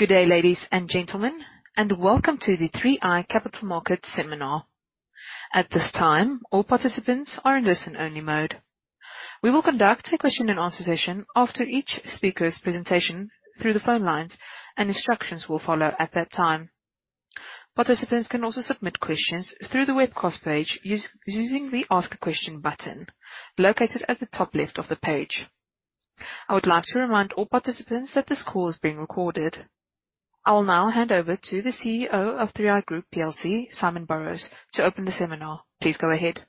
Good day, ladies and gentlemen, and welcome to the 3i Capital Market seminar. At this time, all participants are in listen-only mode. We will conduct a question and answer session after each speaker's presentation through the phone lines, and instructions will follow at that time. Participants can also submit questions through the webcast page using the Ask a Question button located at the top left of the page. I would like to remind all participants that this call is being recorded. I will now hand over to the CEO of 3i Group plc, Simon Borrows, to open the seminar. Please go ahead.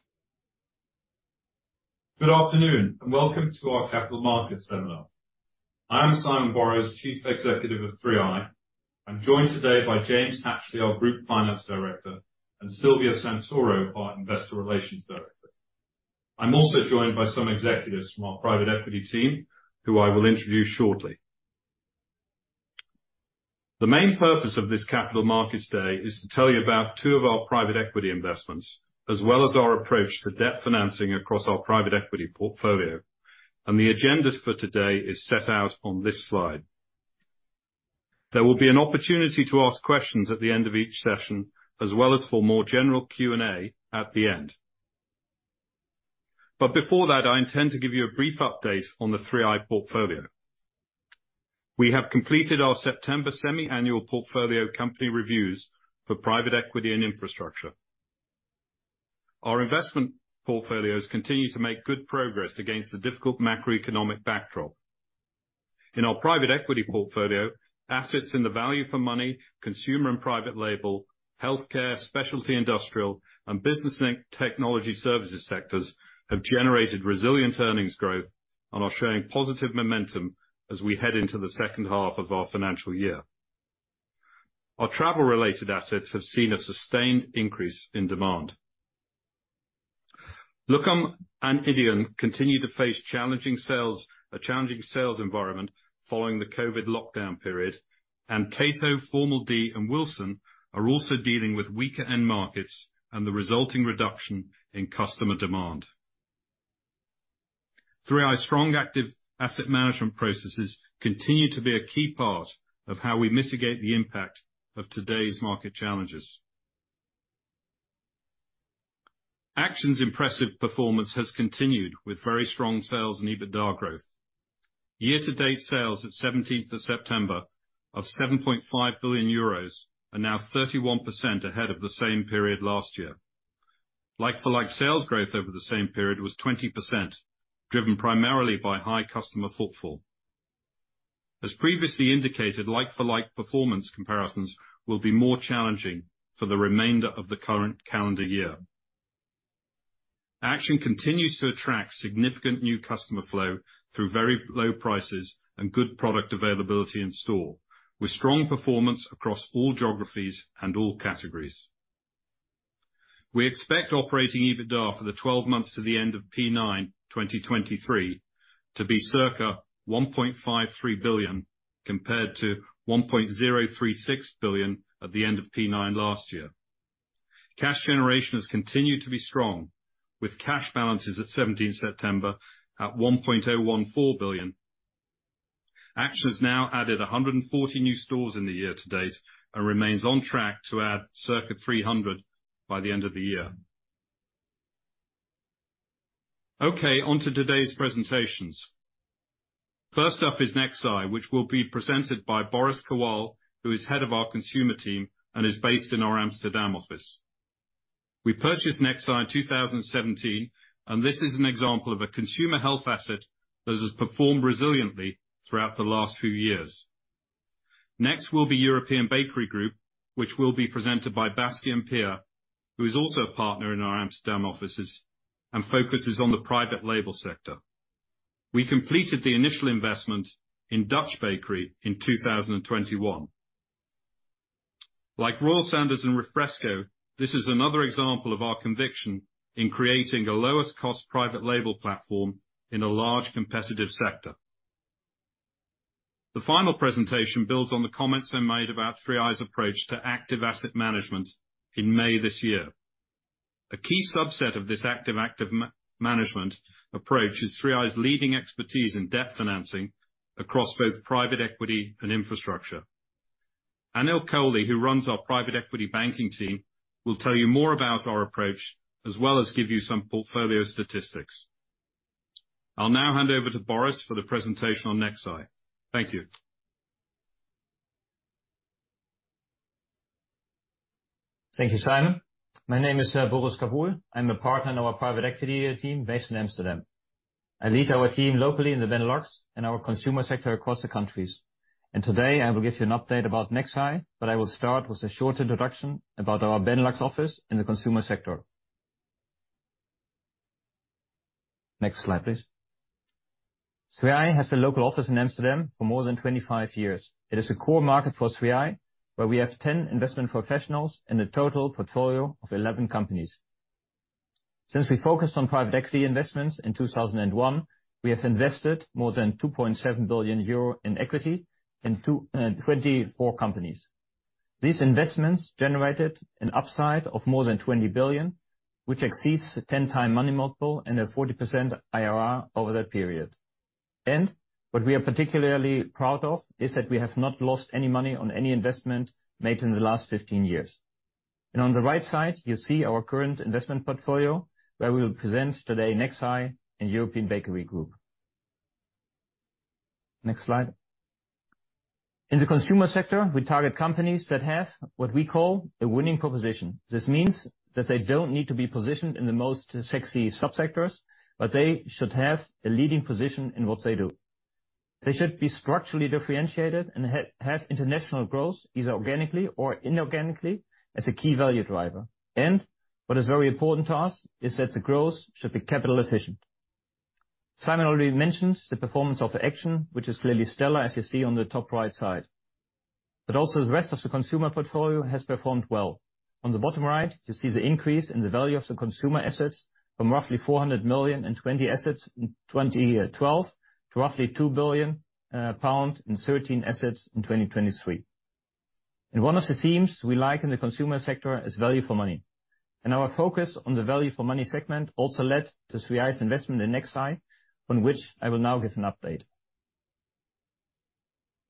Good afternoon, and welcome to our Capital Markets seminar. I'm Simon Borrows, Chief Executive of 3i. I'm joined today by James Hatchley, our Group Finance Director, and Silvia Santoro, our Investor Relations Director. I'm also joined by some executives from our private equity team, who I will introduce shortly. The main purpose of this Capital Markets Day is to tell you about two of our private equity investments, as well as our approach to debt financing across our private equity portfolio, and the agenda for today is set out on this slide. There will be an opportunity to ask questions at the end of each session, as well as for more general Q&A at the end. But before that, I intend to give you a brief update on the 3i portfolio. We have completed our September semi-annual portfolio company reviews for private equity and infrastructure. Our investment portfolios continue to make good progress against a difficult macroeconomic backdrop. In our private equity portfolio, assets in the value for money, consumer and private label, healthcare, specialty industrial, and business and technology services sectors have generated resilient earnings growth and are showing positive momentum as we head into the second half of our financial year. Our travel-related assets have seen a sustained increase in demand. Luqom and YDEON continue to face challenging sales, a challenging sales environment following the COVID lockdown period, and Tato, Formel D, and Wilson are also dealing with weaker end markets and the resulting reduction in customer demand. 3i's strong, active asset management processes continue to be a key part of how we mitigate the impact of today's market challenges. Action's impressive performance has continued with very strong sales and EBITDA growth. Year-to-date sales at 17th of September of 7.5 billion euros are now 31% ahead of the same period last year. Like-for-like sales growth over the same period was 20%, driven primarily by high customer footfall. As previously indicated, like-for-like performance comparisons will be more challenging for the remainder of the current calendar year. Action continues to attract significant new customer flow through very low prices and good product availability in store, with strong performance across all geographies and all categories. We expect operating EBITDA for the 12 months to the end of P9, 2023, to be circa 1.53 billion, compared to 1.036 billion at the end of P9 last year. Cash generation has continued to be strong, with cash balances at 17th September at 1.014 billion. Action has now added 140 new stores in the year to date and remains on track to add circa 300 by the end of the year. Okay, onto today's presentations. First up is nexeye, which will be presented by Boris Kawohl, who is Head of our Consumer team and is based in our Amsterdam office. We purchased nexeye in 2017, and this is an example of a consumer health asset that has performed resiliently throughout the last few years. Next will be European Bakery Group, which will be presented by Bastiaan Peer, who is also a Partner in our Amsterdam offices and focuses on the private label sector. We completed the initial investment in Dutch Bakery in 2021. Like Royal Sanders and Refresco, this is another example of our conviction in creating a lowest cost private label platform in a large, competitive sector. The final presentation builds on the comments I made about 3i's approach to active asset management in May this year. A key subset of this active management approach is 3i's leading expertise in debt financing across both private equity and infrastructure. Anil Kohli, who runs our private equity banking team, will tell you more about our approach, as well as give you some portfolio statistics. I'll now hand over to Boris for the presentation on nexeye. Thank you. Thank you, Simon. My name is Boris Kawohl. I'm a partner in our private equity team based in Amsterdam. I lead our team locally in the Benelux and our consumer sector across the countries. Today, I will give you an update about nexeye, but I will start with a short introduction about our Benelux office in the consumer sector. Next slide, please. 3i has a local office in Amsterdam for more than 25 years. It is a core market for 3i, where we have 10 investment professionals and a total portfolio of 11 companies. Since we focused on private equity investments in 2001, we have invested more than 2.7 billion euro in equity in 24 companies. These investments generated an upside of more than 20 billion, which exceeds the 10 times money multiple and a 40% IRR over that period. What we are particularly proud of is that we have not lost any money on any investment made in the last 15 years. On the right side, you see our current investment portfolio, where we will present today nexeye and European Bakery Group. Next slide. In the consumer sector, we target companies that have what we call a winning proposition. This means that they don't need to be positioned in the most sexy subsectors, but they should have a leading position in what they do. They should be structurally differentiated and have international growth, either organically or inorganically, as a key value driver. What is very important to us is that the growth should be capital efficient. Simon already mentioned the performance of Action, which is clearly stellar, as you see on the top right side. But also, the rest of the consumer portfolio has performed well. On the bottom right, you see the increase in the value of the consumer assets from roughly 400 million in 20 assets in 2012, to roughly 2 billion pound in 13 assets in 2023. And one of the themes we like in the consumer sector is value for money. And our focus on the value for money segment also led to 3i's investment in nexeye, on which I will now give an update.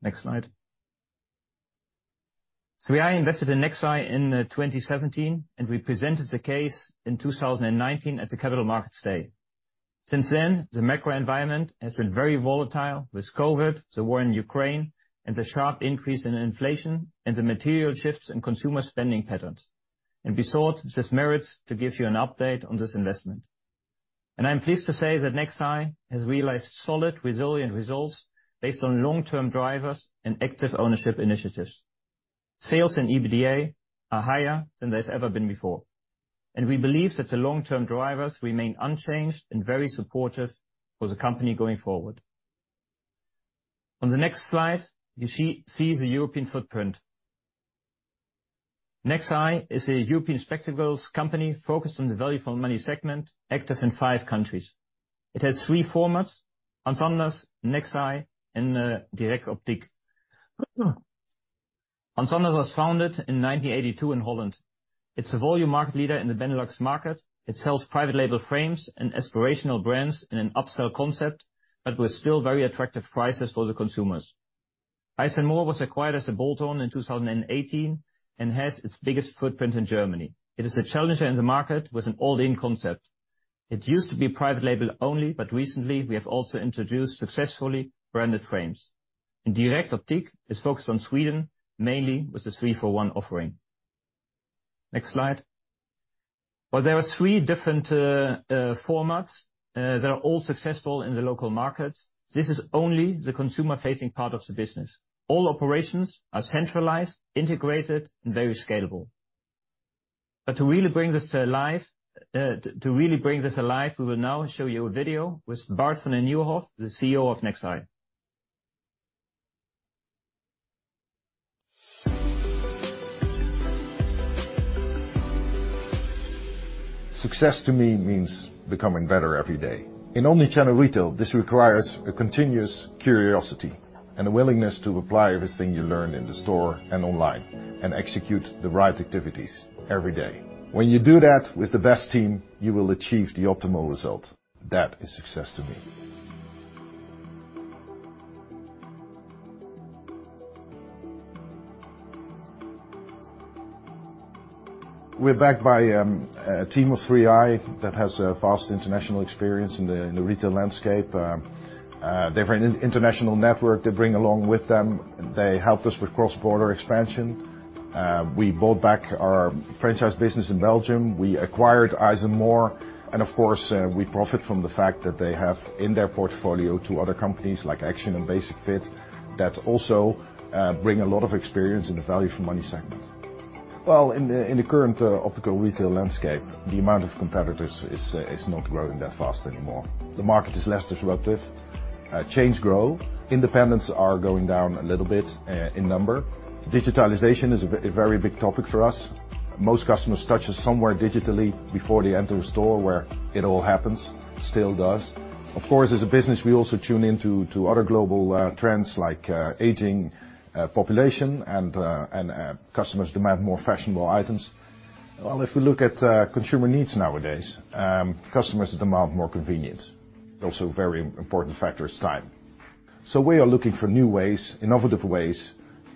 Next slide. 3i invested in nexeye in 2017, and we presented the case in 2019 at the Capital Markets Day. Since then, the macro environment has been very volatile with COVID, the war in Ukraine, and the sharp increase in inflation and the material shifts in consumer spending patterns. We thought it just merits to give you an update on this investment. I'm pleased to say that nexeye has realized solid, resilient results based on long-term drivers and active ownership initiatives. Sales and EBITDA are higher than they've ever been before, and we believe that the long-term drivers remain unchanged and very supportive for the company going forward. On the next slide, you see the European footprint. nexeye is a European spectacles company focused on the value-for-money segment, active in five countries. It has three formats: Hans Anders, nexeye, and Direkt Optik. Hans Anders was founded in 1982 in Holland. It's a volume market leader in the Benelux market. It sells private label frames and aspirational brands in an upsell concept, but with still very attractive prices for the consumers. eyes + more was acquired as a bolt-on in 2018, and has its biggest footprint in Germany. It is a challenger in the market with an all-in concept. It used to be private label only, but recently we have also introduced successfully branded frames. Direkt Optik is focused on Sweden, mainly with the three-for-one offering. Next slide. While there are three different formats, they're all successful in the local markets, this is only the consumer-facing part of the business. All operations are centralized, integrated, and very scalable. To really bring this alive, we will now show you a video with Bart van den Nieuwenhof, the CEO of nexeye. Success to me means becoming better every day. In omnichannel retail, this requires a continuous curiosity and a willingness to apply everything you learn in the store and online, and execute the right activities every day. When you do that with the best team, you will achieve the optimal result. That is success to me. We're backed by a team of 3i that has a vast international experience in the retail landscape. They have an international network they bring along with them. They helped us with cross-border expansion. We bought back our franchise business in Belgium. We acquired eyes + more, and of course, we profit from the fact that they have in their portfolio two other companies like Action and Basic-Fit, that also bring a lot of experience in the value for money segment. Well, in the current optical retail landscape, the amount of competitors is not growing that fast anymore. The market is less disruptive. Chains grow. Independents are going down a little bit in number. Digitalization is a very big topic for us. Most customers touch us somewhere digitally before they enter the store, where it all happens, still does. Of course, as a business, we also tune into other global trends like aging population and customers demand more fashionable items. Well, if we look at consumer needs nowadays, customers demand more convenience. Also, a very important factor is time. We are looking for new ways, innovative ways,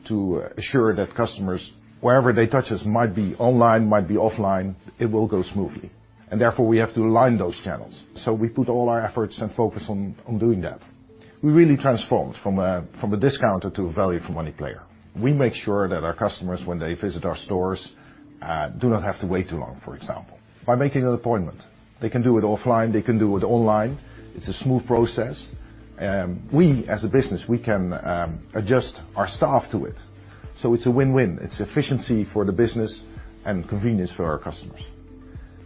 to assure that customers, wherever they touch us, might be online, might be offline, it will go smoothly. Therefore, we have to align those channels. We put all our efforts and focus on doing that. We really transformed from a discounter to a value for money player. We make sure that our customers, when they visit our stores, do not have to wait too long, for example. By making an appointment, they can do it offline, they can do it online. It's a smooth process. We, as a business, can adjust our staff to it, so it's a win-win. It's efficiency for the business and convenience for our customers.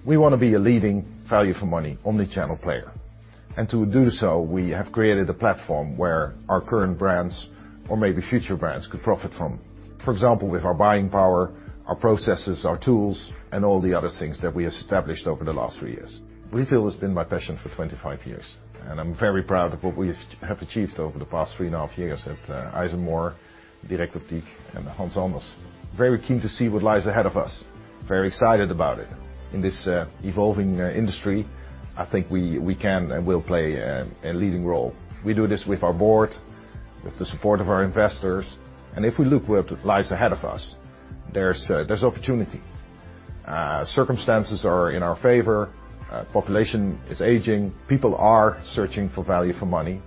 We want to be a leading value for money, omnichannel player. To do so, we have created a platform where our current brands or maybe future brands could profit from. For example, with our buying power, our processes, our tools, and all the other things that we established over the last three years. Retail has been my passion for 25 years, and I'm very proud of what we've achieved over the past 3.5 years at eyes + more, Direkt Optik, and Hans Anders. Very keen to see what lies ahead of us. Very excited about it! In this evolving industry, I think we can and will play a leading role. We do this with our board, with the support of our investors, and if we look what lies ahead of us, there's opportunity. Circumstances are in our favor, population is aging, people are searching for value for money.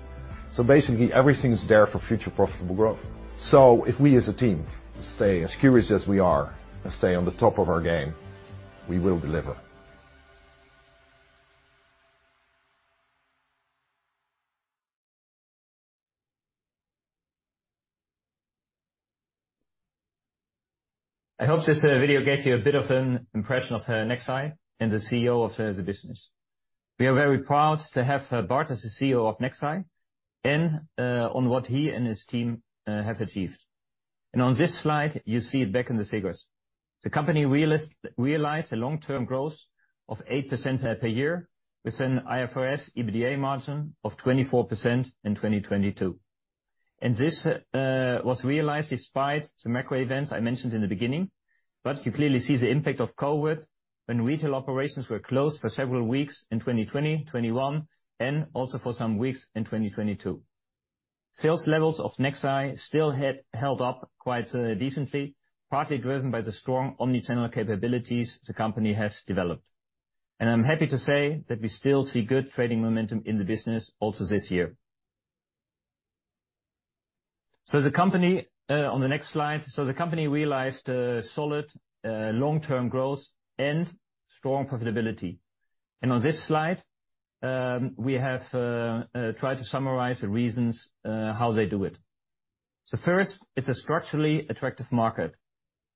So basically, everything's there for future profitable growth. So if we as a team stay as curious as we are and stay on the top of our game, we will deliver. I hope this video gives you a bit of an impression of nexeye and the CEO of the business. We are very proud to have Bart as the CEO of nexeye, and on what he and his team have achieved. On this slide, you see it back in the figures. The company realized a long-term growth of 8% per year, with an IFRS EBITDA margin of 24% in 2022. This was realized despite the macro events I mentioned in the beginning, but you clearly see the impact of COVID, when retail operations were closed for several weeks in 2020, 2021, and also for some weeks in 2022. Sales levels of nexeye still had held up quite decently, partly driven by the strong omni-channel capabilities the company has developed. I'm happy to say that we still see good trading momentum in the business also this year. So the company, on the next slide, so the company realized solid long-term growth and strong profitability. And on this slide, we have tried to summarize the reasons how they do it. So first, it's a structurally attractive market.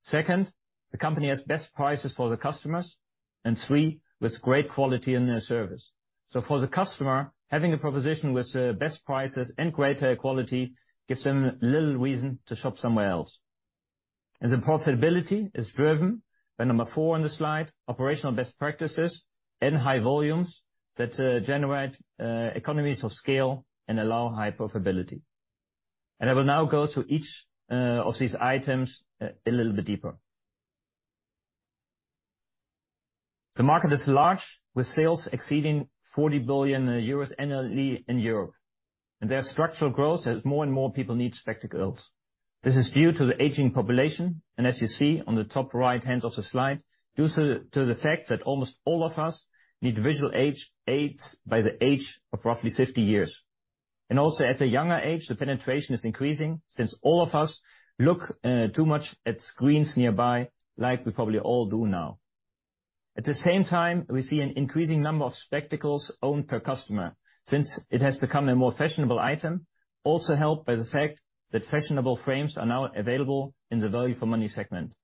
Second, the company has best prices for the customers, and three, with great quality in their service. So for the customer, having a proposition with best prices and greater quality gives them little reason to shop somewhere else. And the profitability is driven by number four on the slide, operational best practices and high volumes that generate economies of scale and allow high profitability. And I will now go through each of these items a little bit deeper. The market is large, with sales exceeding 40 billion euros annually in Europe, and there are structural growth as more and more people need spectacles. This is due to the aging population, and as you see on the top right-hand of the slide, due to, to the fact that almost all of us need visual age-aids by the age of roughly 50 years. Also at a younger age, the penetration is increasing, since all of us look too much at screens nearby, like we probably all do now. At the same time, we see an increasing number of spectacles owned per customer, since it has become a more fashionable item, also helped by the fact that fashionable frames are now available in the value for money segment.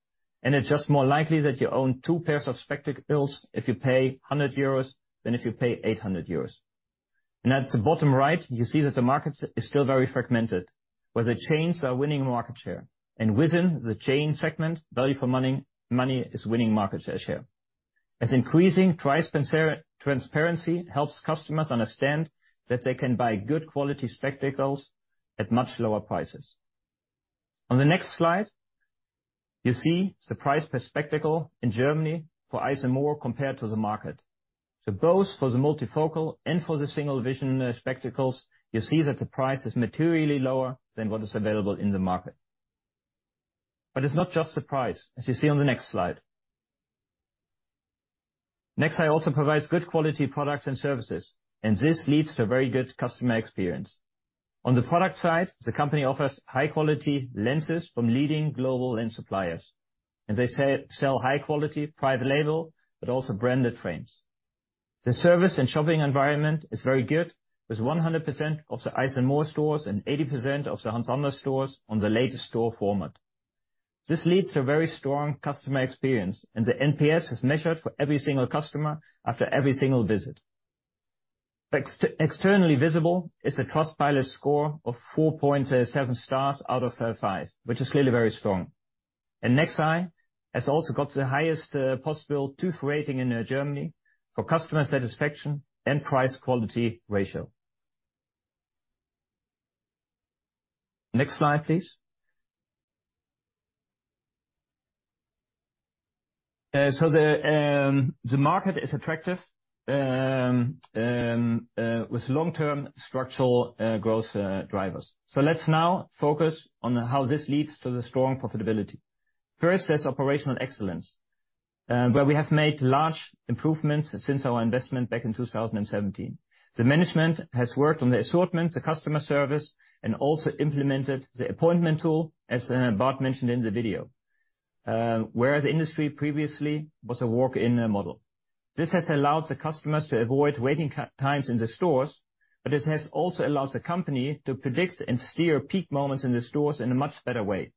It's just more likely that you own two pairs of spectacles if you pay 100 euros than if you pay 800 euros. At the bottom right, you see that the market is still very fragmented, where the chains are winning market share, and within the chain segment, value for money, money is winning market share share. As increasing price transparency helps customers understand that they can buy good quality spectacles at much lower prices. On the next slide, you see the price per spectacle in Germany for eyes + more compared to the market. So both for the multifocal and for the single vision, spectacles, you see that the price is materially lower than what is available in the market. But it's not just the price, as you see on the next slide. nexeye also provides good quality products and services, and this leads to a very good customer experience. On the product side, the company offers high quality lenses from leading global lens suppliers, and they sell high quality private label, but also branded frames. The service and shopping environment is very good, with 100% of the eyes + more stores and 80% of the Hans Anders stores on the latest store format. This leads to a very strong customer experience, and the NPS is measured for every single customer after every single visit. Externally visible is the Trustpilot score of 4.7 stars out of five, which is clearly very strong. nexeye has also got the highest possible TÜV rating in Germany for customer satisfaction and price/quality ratio. Next slide, please. So the market is attractive with long-term structural growth drivers. So let's now focus on how this leads to the strong profitability. First, there's operational excellence where we have made large improvements since our investment back in 2017. The management has worked on the assortment, the customer service, and also implemented the appointment tool, as Bart mentioned in the video, whereas industry previously was a walk-in model. This has allowed the customers to avoid waiting times in the stores, but this has also allowed the company to predict and steer peak moments in the stores in a much better way.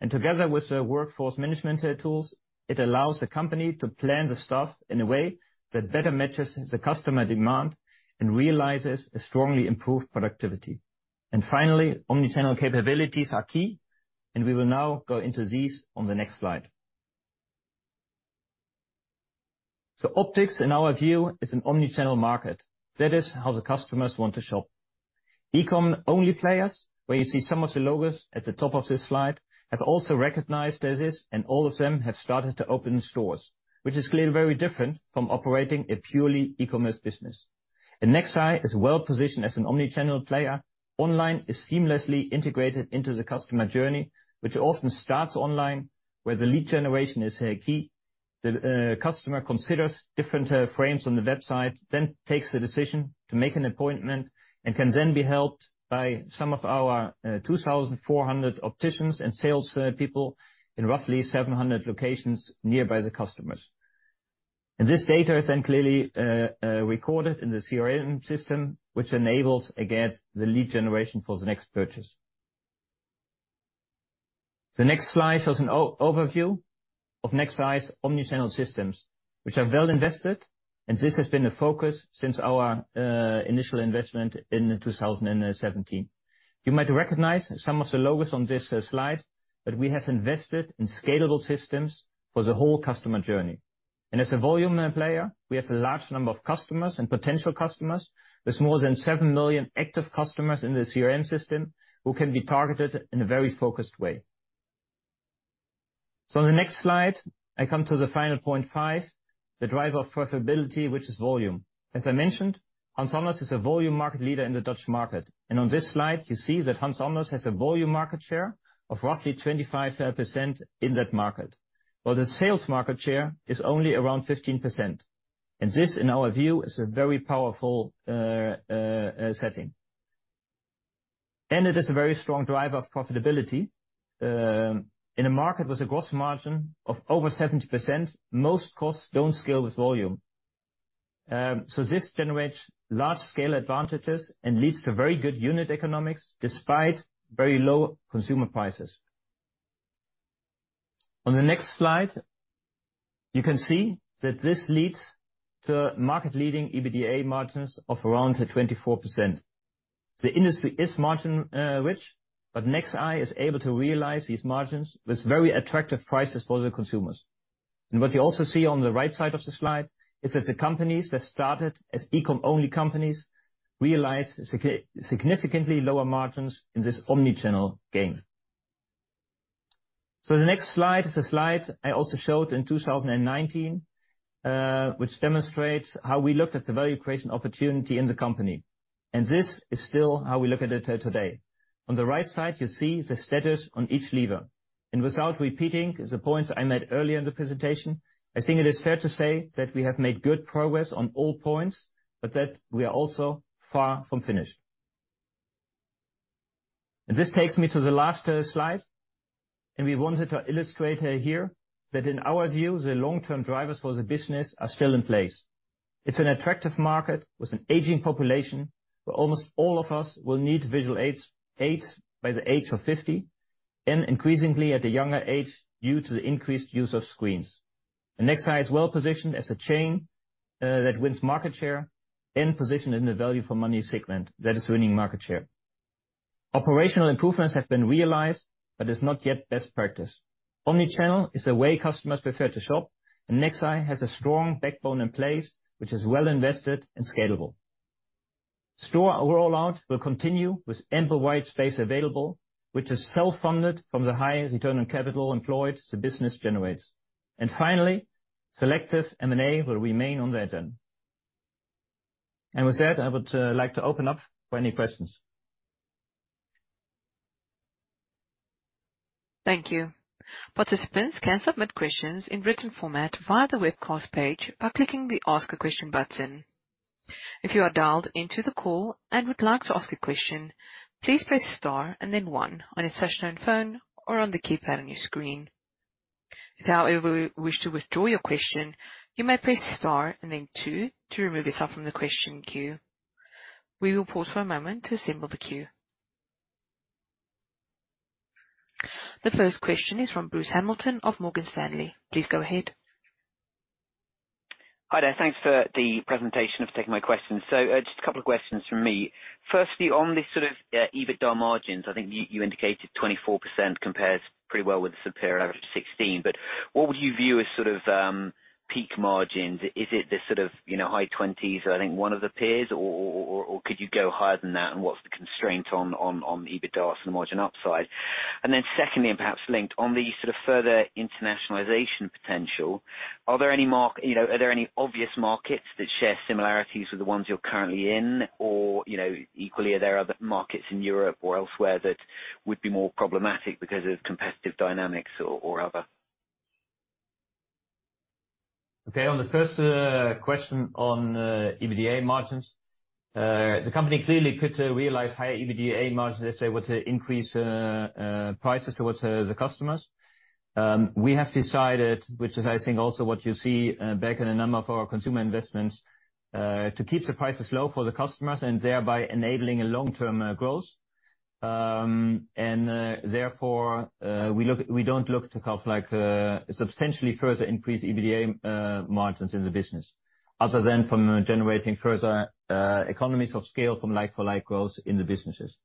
And together with the workforce management tools, it allows the company to plan the staff in a way that better matches the customer demand and realizes a strongly improved productivity. Finally, omni-channel capabilities are key, and we will now go into these on the next slide. So optics, in our view, is an omni-channel market. That is how the customers want to shop.... E-com only players, where you see some of the logos at the top of this slide, have also recognized this, and all of them have started to open stores, which is clearly very different from operating a purely e-commerce business. And nexeye is well positioned as an omni-channel player. Online is seamlessly integrated into the customer journey, which often starts online, where the lead generation is key. The customer considers different frames on the website, then takes the decision to make an appointment, and can then be helped by some of our 2,400 opticians and sales people in roughly 700 locations nearby the customers. And this data is then clearly recorded in the CRM system, which enables, again, the lead generation for the next purchase. The next slide shows an overview of nexeye's omni-channel systems, which are well invested, and this has been a focus since our initial investment in 2017. You might recognize some of the logos on this slide, but we have invested in scalable systems for the whole customer journey. And as a volume player, we have a large number of customers and potential customers, with more than 7 million active customers in the CRM system, who can be targeted in a very focused way. So on the next slide, I come to the final point five: the driver of profitability, which is volume. As I mentioned, Hans Anders is a volume market leader in the Dutch market. On this slide, you see that Hans Anders has a volume market share of roughly 25% in that market, while the sales market share is only around 15%. This, in our view, is a very powerful setting. It is a very strong driver of profitability in a market with a gross margin of over 70%. Most costs don't scale with volume. This generates large-scale advantages and leads to very good unit economics, despite very low consumer prices. On the next slide, you can see that this leads to market-leading EBITDA margins of around 24%. The industry is margin rich, but nexeye is able to realize these margins with very attractive prices for the consumers. What you also see on the right side of the slide is that the companies that started as e-com only companies realize significantly lower margins in this omni-channel game. The next slide is a slide I also showed in 2019, which demonstrates how we looked at the value creation opportunity in the company, and this is still how we look at it today. On the right side, you see the status on each lever, and without repeating the points I made earlier in the presentation, I think it is fair to say that we have made good progress on all points, but that we are also far from finished. This takes me to the last slide, and we wanted to illustrate here that in our view, the long-term drivers for the business are still in place. It's an attractive market with an aging population, where almost all of us will need visual aids by the age of 50, and increasingly at a younger age, due to the increased use of screens. nexeye is well positioned as a chain that wins market share and is positioned in the value for money segment that is winning market share. Operational improvements have been realized, but it's not yet best practice. Omni-channel is the way customers prefer to shop, and nexeye has a strong backbone in place, which is well invested and scalable. Store rollout will continue with ample white space available, which is self-funded from the high return on capital employed the business generates. Finally, selective M&A will remain on the agenda. With that, I would like to open up for any questions. Thank you. Participants can submit questions in written format via the webcast page by clicking the Ask a Question button. If you are dialed into the call and would like to ask a question, please press star and then one on a touchtone phone or on the keypad on your screen. If, however, you wish to withdraw your question, you may press star and then two to remove yourself from the question queue. We will pause for a moment to assemble the queue. The first question is from Bruce Hamilton of Morgan Stanley. Please go ahead. Hi there. Thanks for the presentation and for taking my question. Just a couple of questions from me. Firstly, on the sort of EBITDA margins, I think you indicated 24% compares pretty well with the peer average of 16%, but what would you view as sort of peak margins? Is it the sort of, you know, high 20s, I think, one of the peers, or could you go higher than that, and what's the constraint on EBITDAs and the margin upside? Secondly, and perhaps linked, on the sort of further internationalization potential, are there any, you know, are there any obvious markets that share similarities with the ones you're currently in? Or, you know, equally, are there other markets in Europe or elsewhere that would be more problematic because of competitive dynamics or other? Okay, on the first question on EBITDA margins, the company clearly could realize higher EBITDA margins if they were to increase prices towards the customers. We have decided, which is, I think, also what you see back in a number of our consumer investments, to keep the prices low for the customers and thereby enabling a long-term growth. And therefore, we don't look to kind of like substantially further increase EBITDA margins in the business, other than from generating further economies of scale from like-for-like growth in the businesses.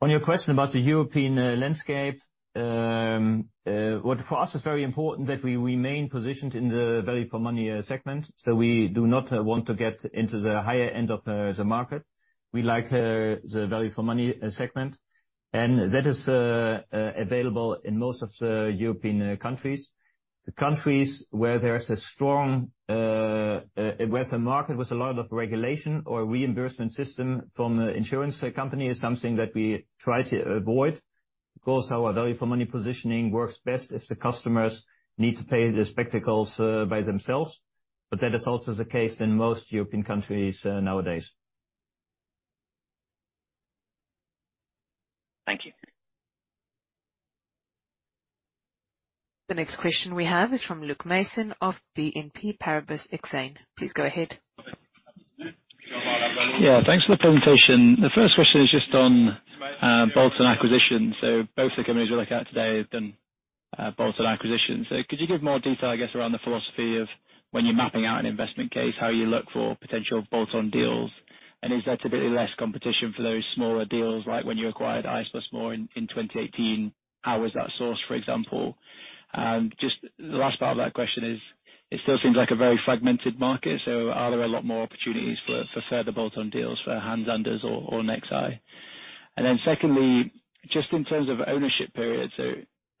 On your question about the European landscape, what, for us, is very important, that we remain positioned in the value for money segment. So we do not want to get into the higher end of the market. We like the value for money segment, and that is available in most of the European countries. The countries where there is a strong where the market with a lot of regulation or reimbursement system from the insurance company is something that we try to avoid, because our value for money positioning works best if the customers need to pay the spectacles by themselves, but that is also the case in most European countries nowadays. Thank you. The next question we have is from Luke Mason of BNP Paribas Exane. Please go ahead. Yeah, thanks for the presentation. The first question is just on bolt-on acquisitions. Both the companies we look at today have done bolt-on acquisitions. Could you give more detail, I guess, around the philosophy of when you're mapping out an investment case, how you look for potential bolt-on deals? Is there typically less competition for those smaller deals, like when you acquired eyes + more in 2018, how was that sourced, for example? Just the last part of that question is, it still seems like a very fragmented market, so are there a lot more opportunities for further bolt-on deals for Hans Anders or nexeye? Secondly, just in terms of ownership periods,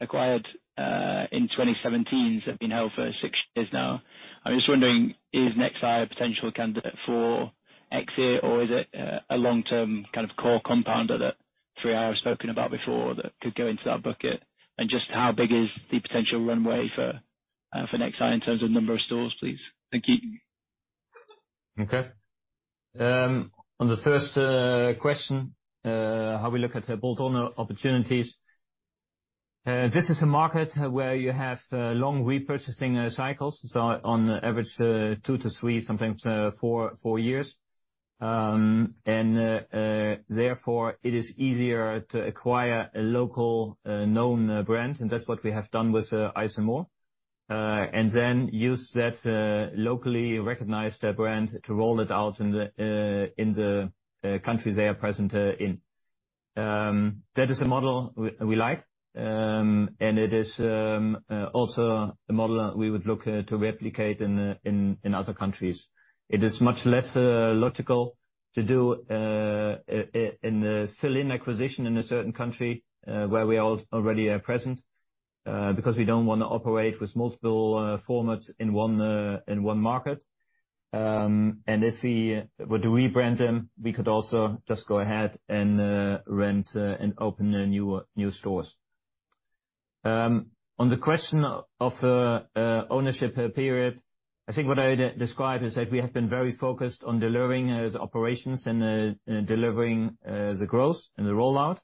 acquired in 2017, have been held for six years now. I'm just wondering, is nexeye a potential candidate for exit, or is it a long-term kind of core compounder that 3i have spoken about before, that could go into that bucket? Just how big is the potential runway for nexeye in terms of number of stores, please? Thank you. Okay. On the first question, how we look at bolt-on opportunities. This is a market where you have long repurchasing cycles, so on average, two to three, sometimes four years. And therefore, it is easier to acquire a local known brand, and that's what we have done with eyes + more. And then use that locally recognized brand to roll it out in the countries they are present in. That is a model we like, and it is also a model we would look to replicate in other countries. It is much less logical to do infill acquisition in a certain country where we are already present because we don't want to operate with multiple formats in one market. And if we were to rebrand them, we could also just go ahead and rent and open new stores. On the question of ownership period, I think what I would describe is that we have been very focused on delivering the operations and delivering the growth and the rollout.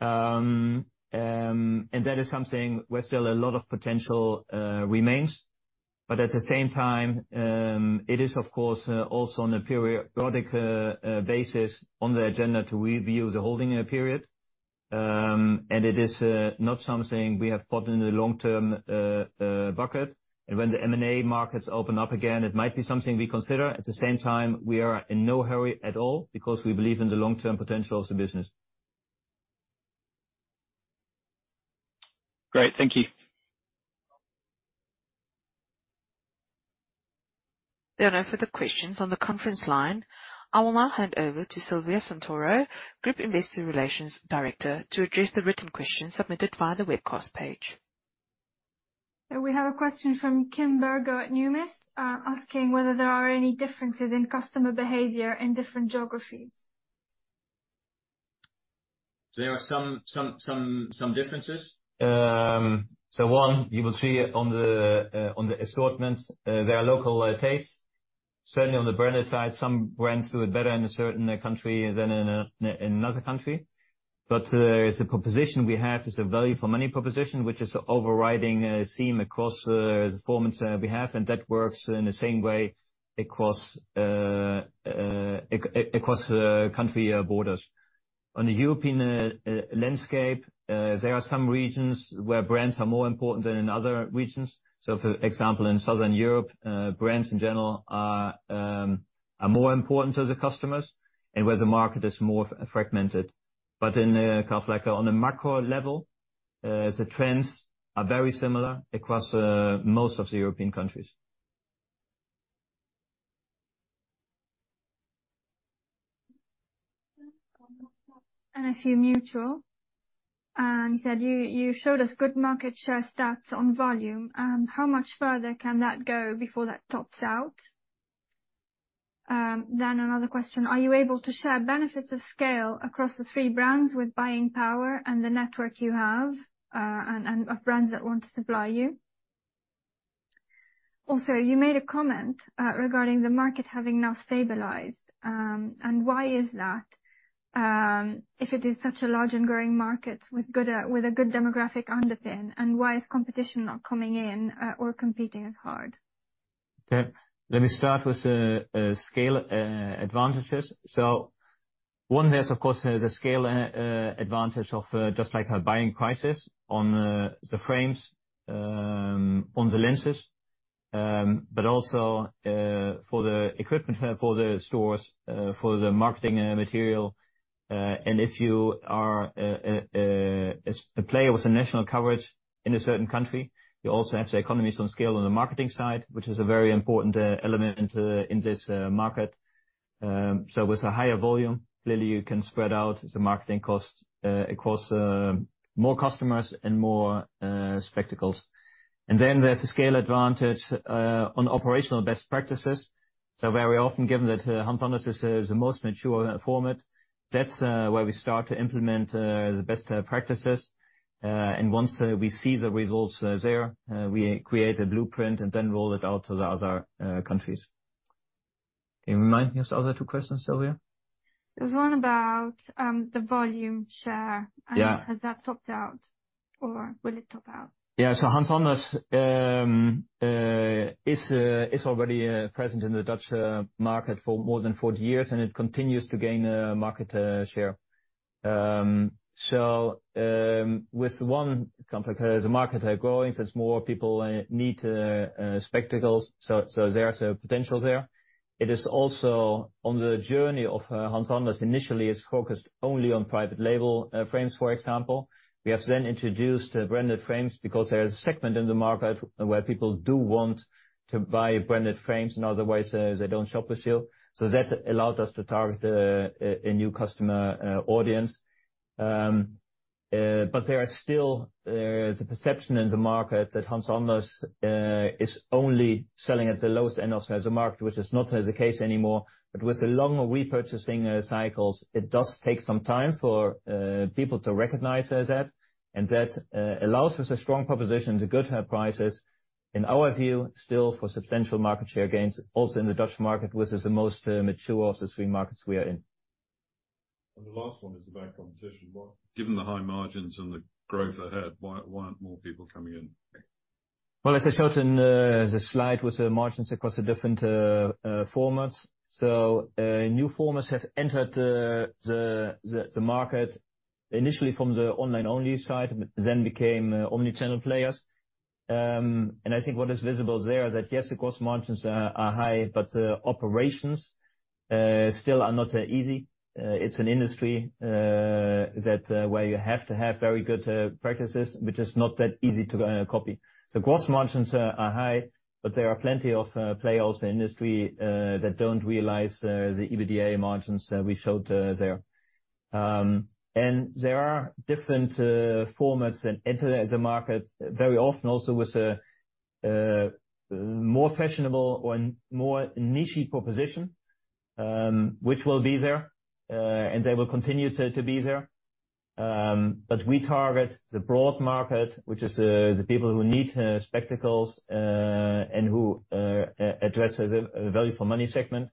And that is something where still a lot of potential remains. But at the same time, it is, of course, also on a periodic basis on the agenda to review the holding period. And it is not something we have put in the long-term bucket. And when the M&A markets open up again, it might be something we consider. At the same time, we are in no hurry at all, because we believe in the long-term potential of the business. Great. Thank you. There are no further questions on the conference line. I will now hand over to Silvia Santoro, Group Investor Relations Director, to address the written questions submitted via the webcast page. We have a question from Kimberley Virgo at Numis, asking whether there are any differences in customer behavior in different geographies. There are some differences. So one, you will see on the assortment, there are local tastes. Certainly on the branded side, some brands do it better in a certain country than in another country. But the proposition we have is a value for money proposition, which is overriding theme across the formats we have, and that works in the same way across country borders. On the European landscape, there are some regions where brands are more important than in other regions. So, for example, in Southern Europe, brands in general are more important to the customers and where the market is more fragmented. But in the case, like on a macro level, the trends are very similar across most of the European countries. And a few Mutual, and said, "You showed us good market share stats on volume. How much further can that go before that tops out?" Then another question: Are you able to share benefits of scale across the three brands with buying power and the network you have, and of brands that want to supply you? Also, you made a comment regarding the market having now stabilized, and why is that, if it is such a large and growing market with a good demographic underpin, and why is competition not coming in, or competing as hard? Okay, let me start with the scale advantages. So one is, of course, the scale advantage of just like our buying prices on the frames, on the lenses.... but also, for the equipment, for the stores, for the marketing material. And if you are a player with a national coverage in a certain country, you also have the economies on scale on the marketing side, which is a very important element in this market. So with a higher volume, clearly you can spread out the marketing costs across more customers and more spectacles. And then there's a scale advantage on operational best practices. So very often, given that Hans Anders is the most mature format, that's where we start to implement the best practices. And once we see the results there, we create a blueprint and then roll it out to the other countries. Can you remind me of the other two questions, Silvia? There's one about the volume share. Yeah. Has that topped out, or will it top out? Yeah, so Hans Anders is already present in the Dutch market for more than 40 years, and it continues to gain market share. So, with one company, the market are growing, since more people need spectacles, so there are some potential there. It is also on the journey of Hans Anders. Initially, it's focused only on private label frames, for example. We have then introduced branded frames, because there is a segment in the market where people do want to buy branded frames, and otherwise they don't shop with you. So that allowed us to target a new customer audience. There is a perception in the market that Hans Anders is only selling at the lowest end of the market, which is not the case anymore. With the longer repurchasing cycles, it does take some time for people to recognize as that. That allows us a strong proposition to good prices, in our view, still for substantial market share gains, also in the Dutch market, which is the most mature of the three markets we are in. The last one is about competition. Well, given the high margins and the growth ahead, why, why aren't more people coming in? Well, as I showed in the slide, with the margins across the different formats, so new formats have entered the market, initially from the online-only side, but then became omni-channel players. And I think what is visible there is that, yes, of course, margins are high, but the operations still are not easy. It's an industry that where you have to have very good practices, which is not that easy to copy. The gross margins are high, but there are plenty of players in the industry that don't realize the EBITDA margins that we showed there. And there are different formats that enter the market, very often also with a more fashionable and more niche-y proposition, which will be there, and they will continue to be there. But we target the broad market, which is the people who need spectacles, and who address the value for money segment.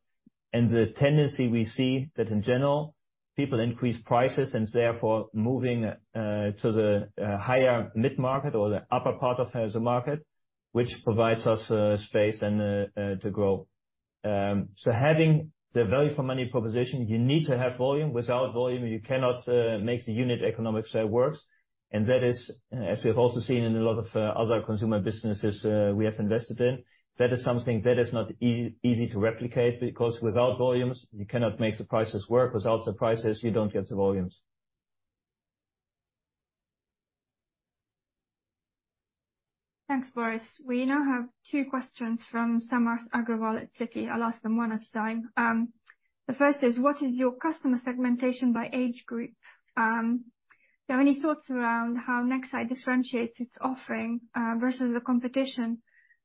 And the tendency we see that in general, people increase prices, and therefore, moving to the higher mid-market or the upper part of the market, which provides us space and to grow. So having the value for money proposition, you need to have volume. Without volume, you cannot make the unit economics works. That is, as we have also seen in a lot of other consumer businesses we have invested in, that is something that is not easy to replicate, because without volumes, you cannot make the prices work. Without the prices, you don't get the volumes. Thanks, Boris. We now have two questions from Samarth Agrawal at Citi. I'll ask them one at a time. The first is, what is your customer segmentation by age group? Are there any thoughts around how nexeye differentiates its offering versus the competition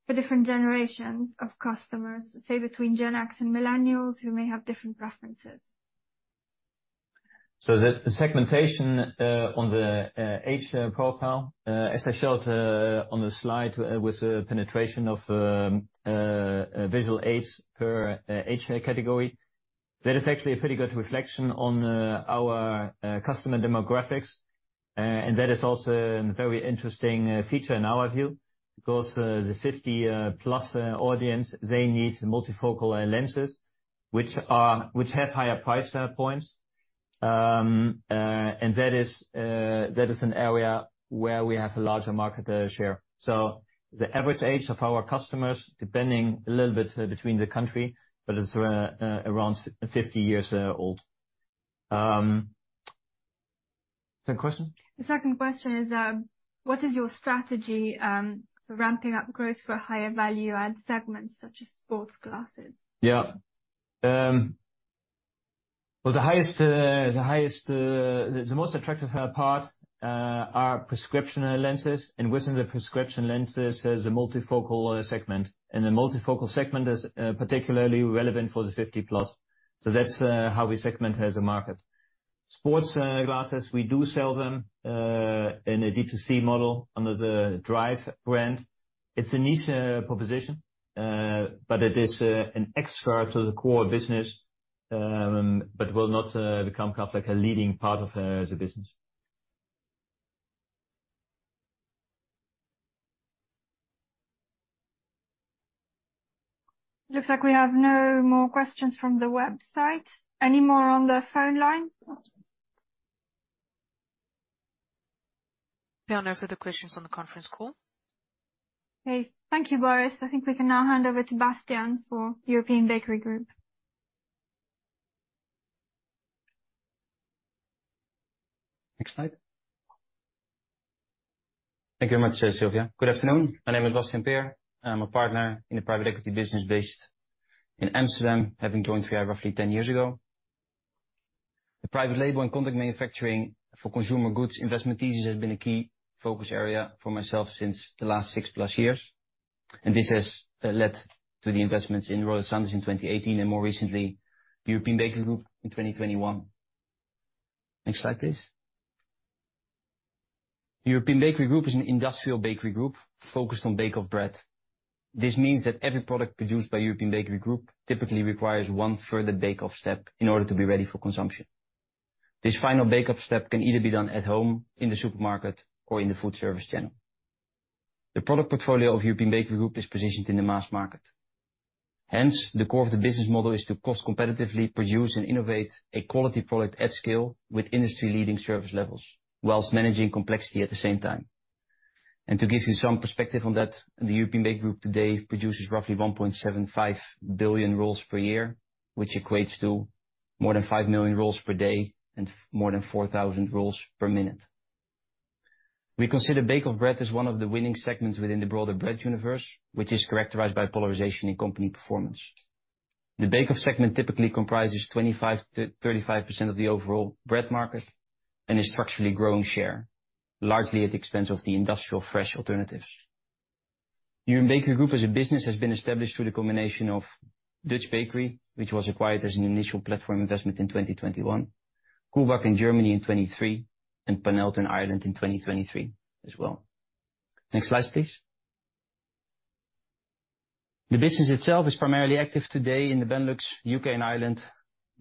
for different generations of customers, say, between Gen X and millennials, who may have different preferences? The segmentation on the age profile, as I showed on the slide with the penetration of visual aids per age category, that is actually a pretty good reflection on our customer demographics. That is also a very interesting feature in our view, because the 50 plus audience, they need multifocal lenses, which have higher price points. That is an area where we have a larger market share. The average age of our customers, depending a little bit between the country, but it's around 50 years old. Second question? The second question is: What is your strategy for ramping up growth for higher value-add segments such as sports glasses? Yeah. Well, the highest, the most attractive part are prescription lenses, and within the prescription lenses is the multifocal segment. And the multifocal segment is particularly relevant for the 50 plus. So that's how we segment as a market. Sports glasses, we do sell them in a D2C model under the Drive brand. It's a niche proposition, but it is an extra to the core business, but will not become kind of like a leading part of the business. Looks like we have no more questions from the website. Any more on the phone line?... No further questions on the conference call. Okay, thank you, Boris. I think we can now hand over to Bastiaan for European Bakery Group. Next slide. Thank you very much, Silvia. Good afternoon. My name is Bastiaan Peer. I'm a partner in the private equity business based in Amsterdam, having joined 3i roughly 10 years ago. The private label and contract manufacturing for consumer goods investment thesis has been a key focus area for myself since the last six plus years, and this has led to the investments in Royal Sanders in 2018, and more recently, the European Bakery Group in 2021. Next slide, please. European Bakery Group is an industrial bakery group focused on bake-off bread. This means that every product produced by European Bakery Group typically requires one further bake-off step in order to be ready for consumption. This final bake-off step can either be done at home, in the supermarket, or in the food service channel. The product portfolio of European Bakery Group is positioned in the mass market. Hence, the core of the business model is to cost competitively produce and innovate a quality product at scale with industry-leading service levels, while managing complexity at the same time. To give you some perspective on that, the European Bakery Group today produces roughly 1.75 billion rolls per year, which equates to more than 5 million rolls per day and more than 4,000 rolls per minute. We consider bake-off bread as one of the winning segments within the broader bread universe, which is characterized by polarization in company performance. The bake-off segment typically comprises 25%-35% of the overall bread market and is structurally growing share, largely at the expense of the industrial fresh alternatives. European Bakery Group as a business, has been established through the combination of Dutch Bakery, which was acquired as an initial platform investment in 2021, coolback in Germany in 2023, and Panelto in Ireland in 2023 as well. Next slide, please. The business itself is primarily active today in the Benelux, UK and Ireland,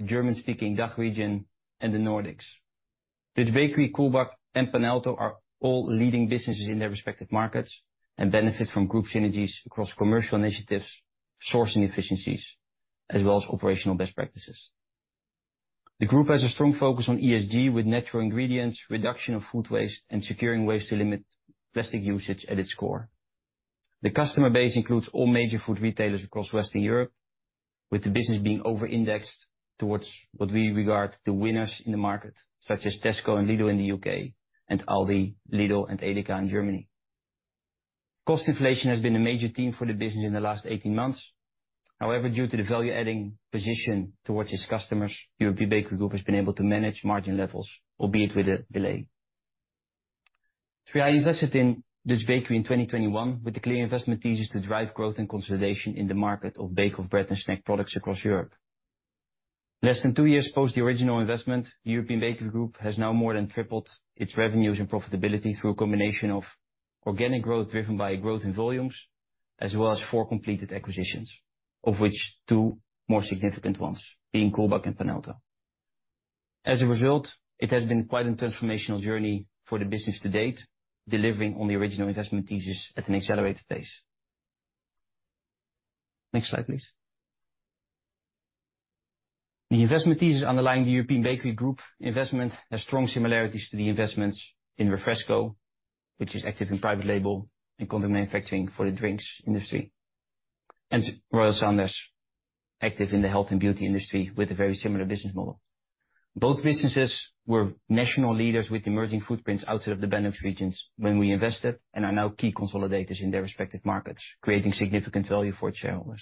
German-speaking DACH region, and the Nordics. Dutch Bakery, coolback, and Panelto are all leading businesses in their respective markets and benefit from group synergies across commercial initiatives, sourcing efficiencies, as well as operational best practices. The group has a strong focus on ESG, with natural ingredients, reduction of food waste, and securing ways to limit plastic usage at its core. The customer base includes all major food retailers across Western Europe, with the business being over-indexed towards what we regard the winners in the market, such as Tesco and Lidl in the UK, and Aldi, Lidl, and Edeka in Germany. Cost inflation has been a major theme for the business in the last 18 months. However, due to the value-adding position towards its customers, European Bakery Group has been able to manage margin levels, albeit with a delay. We are invested in this bakery in 2021, with the clear investment thesis to drive growth and consolidation in the market of bake-off bread and snack products across Europe. Less than two years post the original investment, European Bakery Group has now more than tripled its revenues and profitability through a combination of organic growth, driven by growth in volumes, as well as four completed acquisitions, of which two more significant ones being coolback and Panelto. As a result, it has been quite a transformational journey for the business to date, delivering on the original investment thesis at an accelerated pace. Next slide, please. The investment thesis underlying the European Bakery Group investment has strong similarities to the investments in Refresco, which is active in private label and contract manufacturing for the drinks industry, and Royal Sanders, active in the health and beauty industry with a very similar business model. Both businesses were national leaders with emerging footprints outside of the Benelux regions when we invested, and are now key consolidators in their respective markets, creating significant value for its shareholders.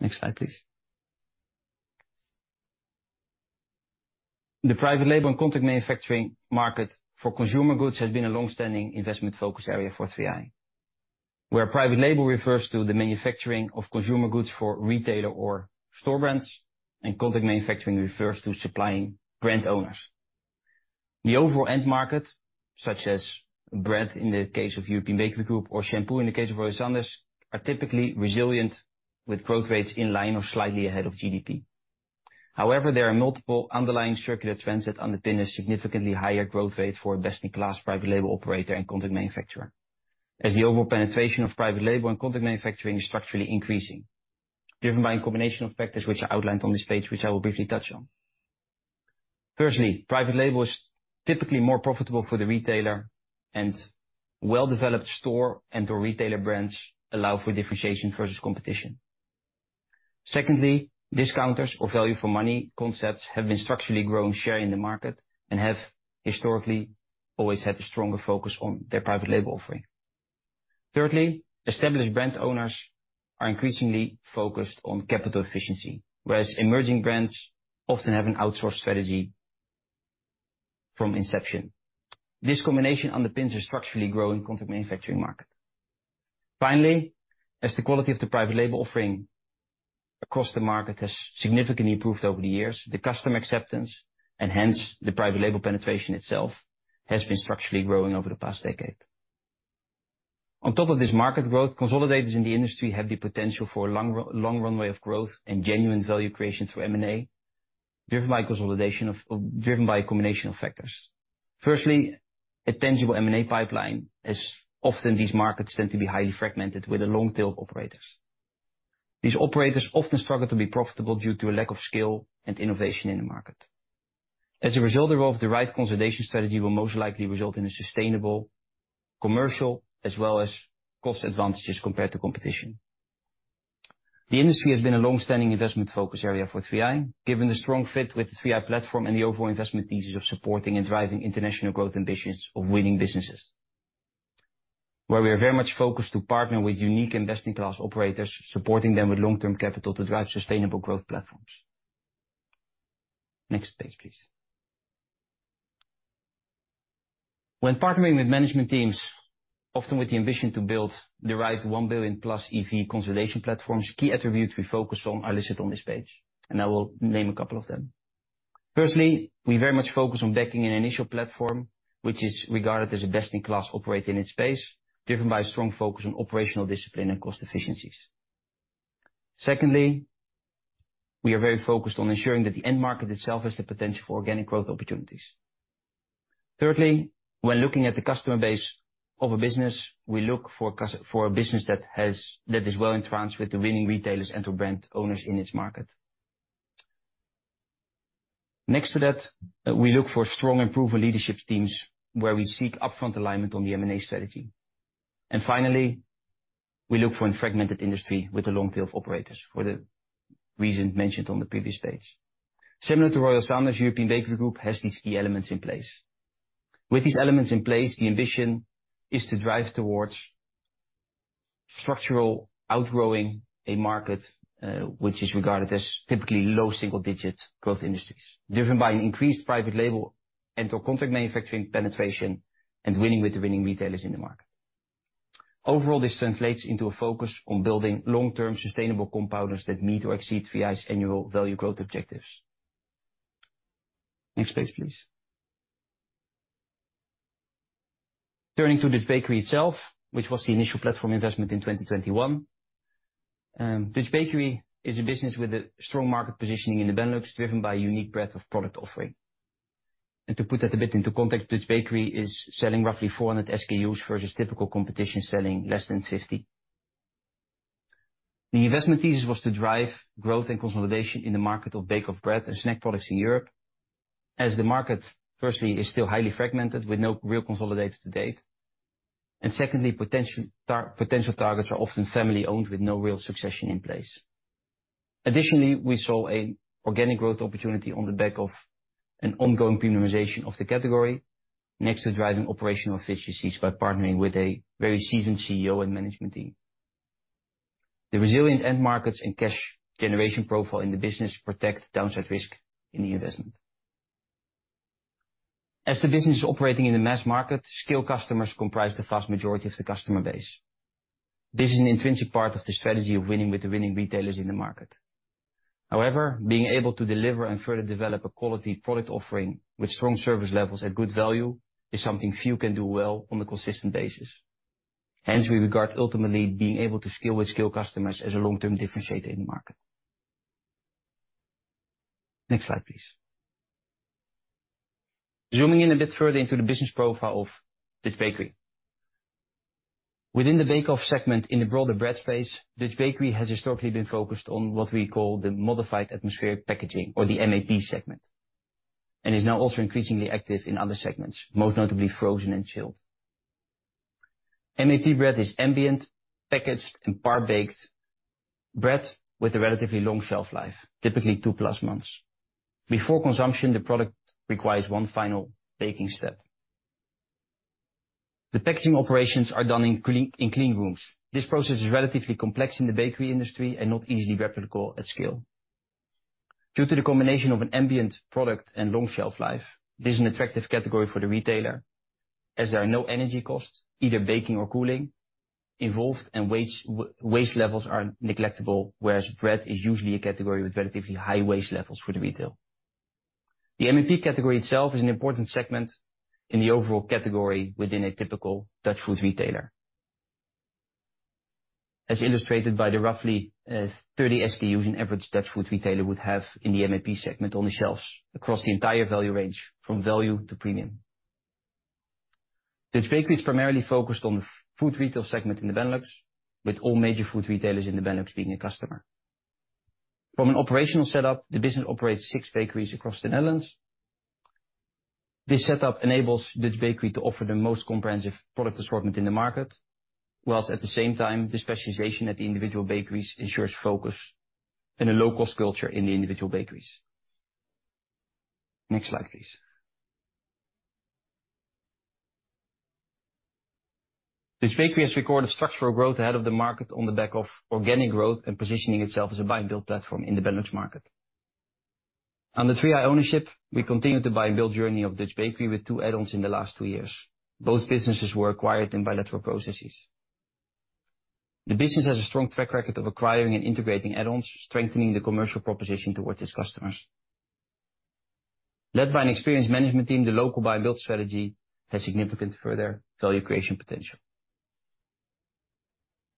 Next slide, please. The private label and contract manufacturing market for consumer goods has been a long-standing investment focus area for 3i. Where private label refers to the manufacturing of consumer goods for retailer or store brands, and contract manufacturing refers to supplying brand owners. The overall end market, such as bread in the case of European Bakery Group or shampoo in the case of Royal Sanders, are typically resilient, with growth rates in line or slightly ahead of GDP. However, there are multiple underlying circular trends that underpin a significantly higher growth rate for a best-in-class private label operator and contract manufacturer, as the overall penetration of private label and contract manufacturing is structurally increasing, driven by a combination of factors which are outlined on this page, which I will briefly touch on. Firstly, private label is typically more profitable for the retailer, and well-developed store and or retailer brands allow for differentiation versus competition. Secondly, discounters or value for money concepts have been structurally growing share in the market and have historically always had a stronger focus on their private label offering. Thirdly, established brand owners are increasingly focused on capital efficiency, whereas emerging brands often have an outsourced strategy from inception. This combination underpins a structurally growing contract manufacturing market. Finally, as the quality of the private label offering across the market has significantly improved over the years, the customer acceptance, and hence the private label penetration itself, has been structurally growing over the past decade. On top of this market growth, consolidators in the industry have the potential for a long runway of growth and genuine value creation through M&A, driven by consolidation of, driven by a combination of factors. Firstly, a tangible M&A pipeline, as often these markets tend to be highly fragmented with a long tail of operators. These operators often struggle to be profitable due to a lack of skill and innovation in the market. As a result, the role of the right consolidation strategy will most likely result in a sustainable commercial, as well as cost advantages compared to competition. The industry has been a long-standing investment focus area for 3i, given the strong fit with the 3i platform and the overall investment thesis of supporting and driving international growth ambitions of winning businesses. Where we are very much focused to partner with unique best-in-class operators, supporting them with long-term capital to drive sustainable growth platforms. Next page, please. When partnering with management teams, often with the ambition to build the right 1 billion-plus EV consolidation platforms, key attributes we focus on are listed on this page, and I will name a couple of them. Firstly, we very much focus on backing an initial platform, which is regarded as a best-in-class operator in its space, driven by a strong focus on operational discipline and cost efficiencies. Secondly, we are very focused on ensuring that the end market itself has the potential for organic growth opportunities. Thirdly, when looking at the customer base of a business, we look for for a business that has, that is well-entrenched with the winning retailers and to brand owners in its market. Next to that, we look for strong and proven leadership teams, where we seek upfront alignment on the M&A strategy. And finally, we look for a fragmented industry with a long tail of operators for the reasons mentioned on the previous page. Similar to Royal Sanders, European Bakery Group has these key elements in place. With these elements in place, the ambition is to drive towards structural outgrowing a market, which is regarded as typically low single digit growth industries, driven by an increased private label and or contract manufacturing penetration and winning with the winning retailers in the market. Overall, this translates into a focus on building long-term sustainable compounders that meet or exceed 3i's annual value growth objectives. Next page, please. Turning to Dutch Bakery itself, which was the initial platform investment in 2021. Dutch Bakery is a business with a strong market positioning in the Benelux, driven by a unique breadth of product offering. And to put that a bit into context, Dutch Bakery is selling roughly 400 SKUs versus typical competition, selling less than 50. The investment thesis was to drive growth and consolidation in the market of bake-off bread and snack products in Europe, as the market, firstly, is still highly fragmented with no real consolidators to date. And secondly, potential targets are often family-owned, with no real succession in place. Additionally, we saw an organic growth opportunity on the back of an ongoing premiumization of the category, next to driving operational efficiencies by partnering with a very seasoned CEO and management team. The resilient end markets and cash generation profile in the business protect downside risk in the investment. As the business is operating in the mass market, scale customers comprise the vast majority of the customer base. This is an intrinsic part of the strategy of winning with the winning retailers in the market. However, being able to deliver and further develop a quality product offering with strong service levels at good value is something few can do well on a consistent basis. Hence, we regard ultimately being able to scale with scale customers as a long-term differentiator in the market. Next slide, please. Zooming in a bit further into the business profile of Dutch Bakery. Within the bake-off segment in the broader bread space, Dutch Bakery has historically been focused on what we call the modified atmospheric packaging, or the MAP segment, and is now also increasingly active in other segments, most notably frozen and chilled. MAP bread is ambient, packaged, and par-baked bread with a relatively long shelf life, typically 2+ months. Before consumption, the product requires one final baking step. The packaging operations are done in clean rooms. This process is relatively complex in the bakery industry and not easily replicable at scale. Due to the combination of an ambient product and long shelf life, this is an attractive category for the retailer, as there are no energy costs, either baking or cooling, involved, and waste levels are neglectable, whereas bread is usually a category with relatively high waste levels for the retail. The MAP category itself is an important segment in the overall category within a typical Dutch food retailer. As illustrated by the roughly 30 SKUs an average Dutch food retailer would have in the MAP segment on the shelves across the entire value range, from value to premium. Dutch Bakery is primarily focused on the food retail segment in the Benelux, with all major food retailers in the Benelux being a customer. From an operational setup, the business operates six bakeries across the Netherlands. This setup enables Dutch Bakery to offer the most comprehensive product assortment in the market, while at the same time, the specialization at the individual bakeries ensures focus and a low-cost culture in the individual bakeries. Next slide, please. Dutch Bakery has recorded structural growth ahead of the market on the back of organic growth and positioning itself as a buy-and-build platform in the Benelux market. Under 3i ownership, we continued the buy-and-build journey of Dutch Bakery with two add-ons in the last two years. Both businesses were acquired in bilateral processes. The business has a strong track record of acquiring and integrating add-ons, strengthening the commercial proposition towards its customers. Led by an experienced management team, the local buy-and-build strategy has significant further value creation potential.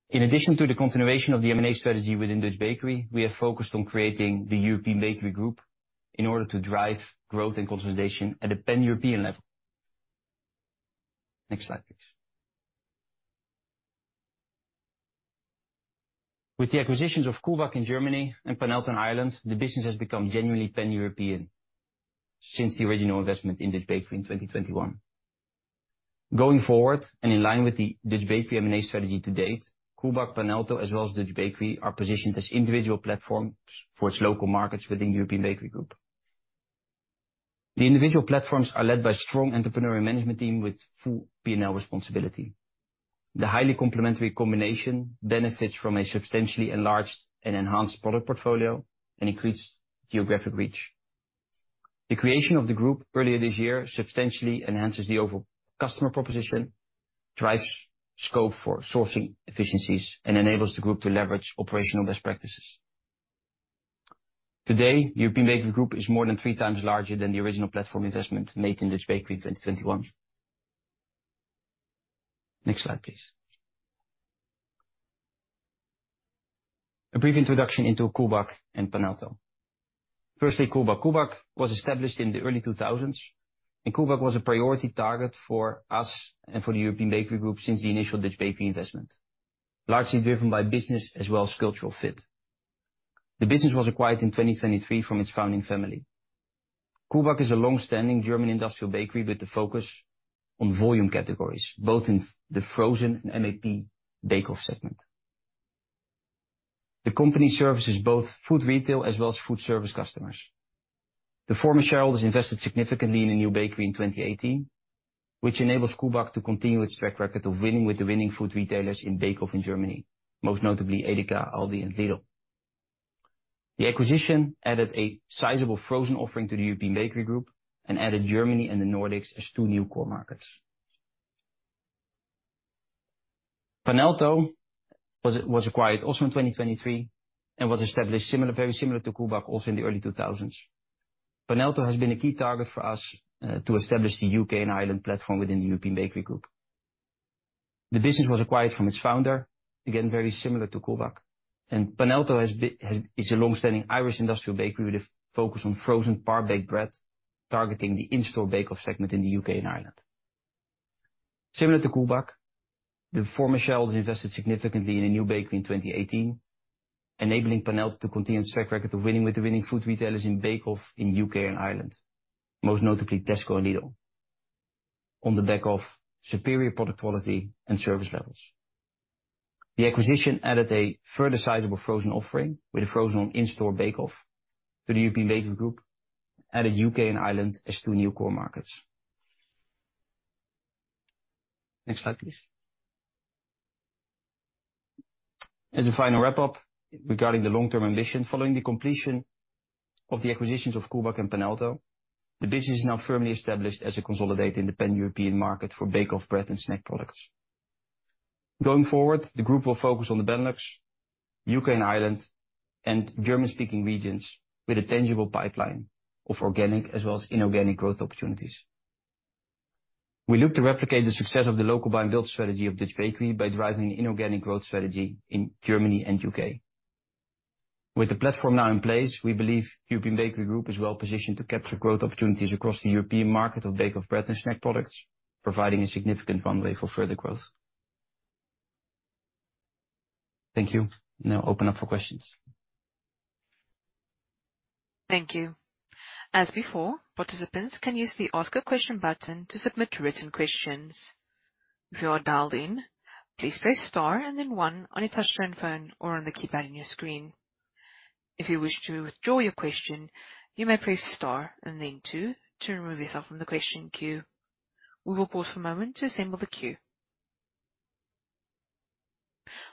In addition to the continuation of the M&A strategy within Dutch Bakery, we are focused on creating the European Bakery Group in order to drive growth and consolidation at a pan-European level.... Next slide, please. With the acquisitions of coolback in Germany and Panelto in Ireland, the business has become genuinely pan-European since the original investment in Dutch Bakery in 2021. Going forward, and in line with the Dutch Bakery M&A strategy to date, coolback, Panelto, as well as Dutch Bakery, are positioned as individual platforms for its local markets within European Bakery Group. The individual platforms are led by strong entrepreneurial management team with full P&L responsibility. The highly complementary combination benefits from a substantially enlarged and enhanced product portfolio and increased geographic reach. The creation of the group earlier this year substantially enhances the overall customer proposition, drives scope for sourcing efficiencies, and enables the group to leverage operational best practices. Today, European Bakery Group is more than three times larger than the original platform investment made in Dutch Bakery in 2021. Next slide, please. A brief introduction into coolback and Panelto. Firstly, coolback. coolback was established in the early 2000s, and coolback was a priority target for us and for the European Bakery Group since the initial Dutch Bakery investment, largely driven by business as well as cultural fit. The business was acquired in 2023 from its founding family. coolback is a long-standing German industrial bakery with the focus on volume categories, both in the frozen and MAP bake-off segment. The company services both food retail as well as food service customers. The former shareholders invested significantly in a new bakery in 2018, which enables coolback to continue its track record of winning with the winning food retailers in bake-off in Germany, most notably Edeka, Aldi, and Lidl. The acquisition added a sizable frozen offering to the European Bakery Group and added Germany and the Nordics as two new core markets. Panelto Foods was acquired also in 2023 and was established similar, very similar to coolback, also in the early 2000s. Panelto Foods has been a key target for us to establish the UK and Ireland platform within the European Bakery Group. The business was acquired from its founder, again, very similar to coolback, and Panelto Foods is a long-standing Irish industrial bakery with a focus on frozen par-baked bread, targeting the in-store bake off segment in the UK and Ireland. Similar to coolback, the former shareholders invested significantly in a new bakery in 2018, enabling Panelto Foods to continue its track record of winning with the winning food retailers in bake off in the UK and Ireland, most notably Tesco and Lidl, on the back of superior product quality and service levels. The acquisition added a further sizable frozen offering, with a frozen on in-store bake-off to the European Bakery Group, added UK and Ireland as two new core markets. Next slide, please. As a final wrap up regarding the long-term ambition, following the completion of the acquisitions of coolback and Panelto Foods, the business is now firmly established as a consolidated independent European market for bake-off bread and snack products. Going forward, the group will focus on the Benelux, UK and Ireland, and German-speaking regions with a tangible pipeline of organic as well as inorganic growth opportunities. We look to replicate the success of the local buy and build strategy of Dutch Bakery by driving inorganic growth strategy in Germany and UK With the platform now in place, we believe European Bakery Group is well positioned to capture growth opportunities across the European market of bake off bread and snack products, providing a significant runway for further growth. Thank you. Now open up for questions. Thank you. As before, participants can use the Ask a Question button to submit written questions. If you are dialed in, please press star and then one on your touchscreen phone or on the keypad on your screen. If you wish to withdraw your question, you may press star and then two to remove yourself from the question queue. We will pause for a moment to assemble the queue.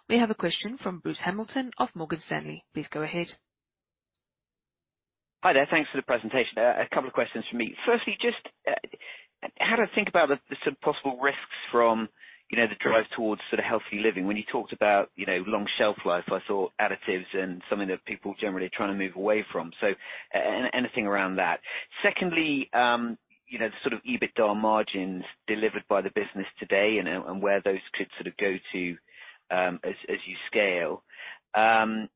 We have a question from Bruce Hamilton of Morgan Stanley. Please go ahead. Hi there. Thanks for the presentation. A couple of questions from me. Firstly, just how to think about the sort of possible risks from, you know, the drive towards sort of healthy living. When you talked about, you know, long shelf life, I saw additives and something that people generally are trying to move away from. So anything around that. Secondly, you know, the sort of EBITDA margins delivered by the business today and where those could sort of go to as you scale. And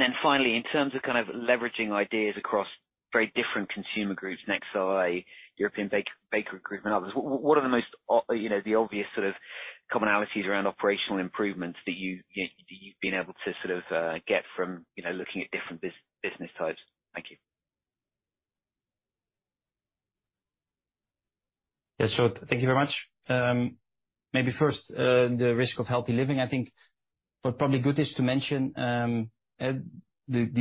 then finally, in terms of kind of leveraging ideas across very different consumer groups, nexeye, European Bakery Group and others, what are the most obvious sort of commonalities around operational improvements that you, you've been able to sort of get from, you know, looking at different business types? Thank you. Yeah, sure. Thank you very much. Maybe first, the risk of healthy living. I think what probably good is to mention, the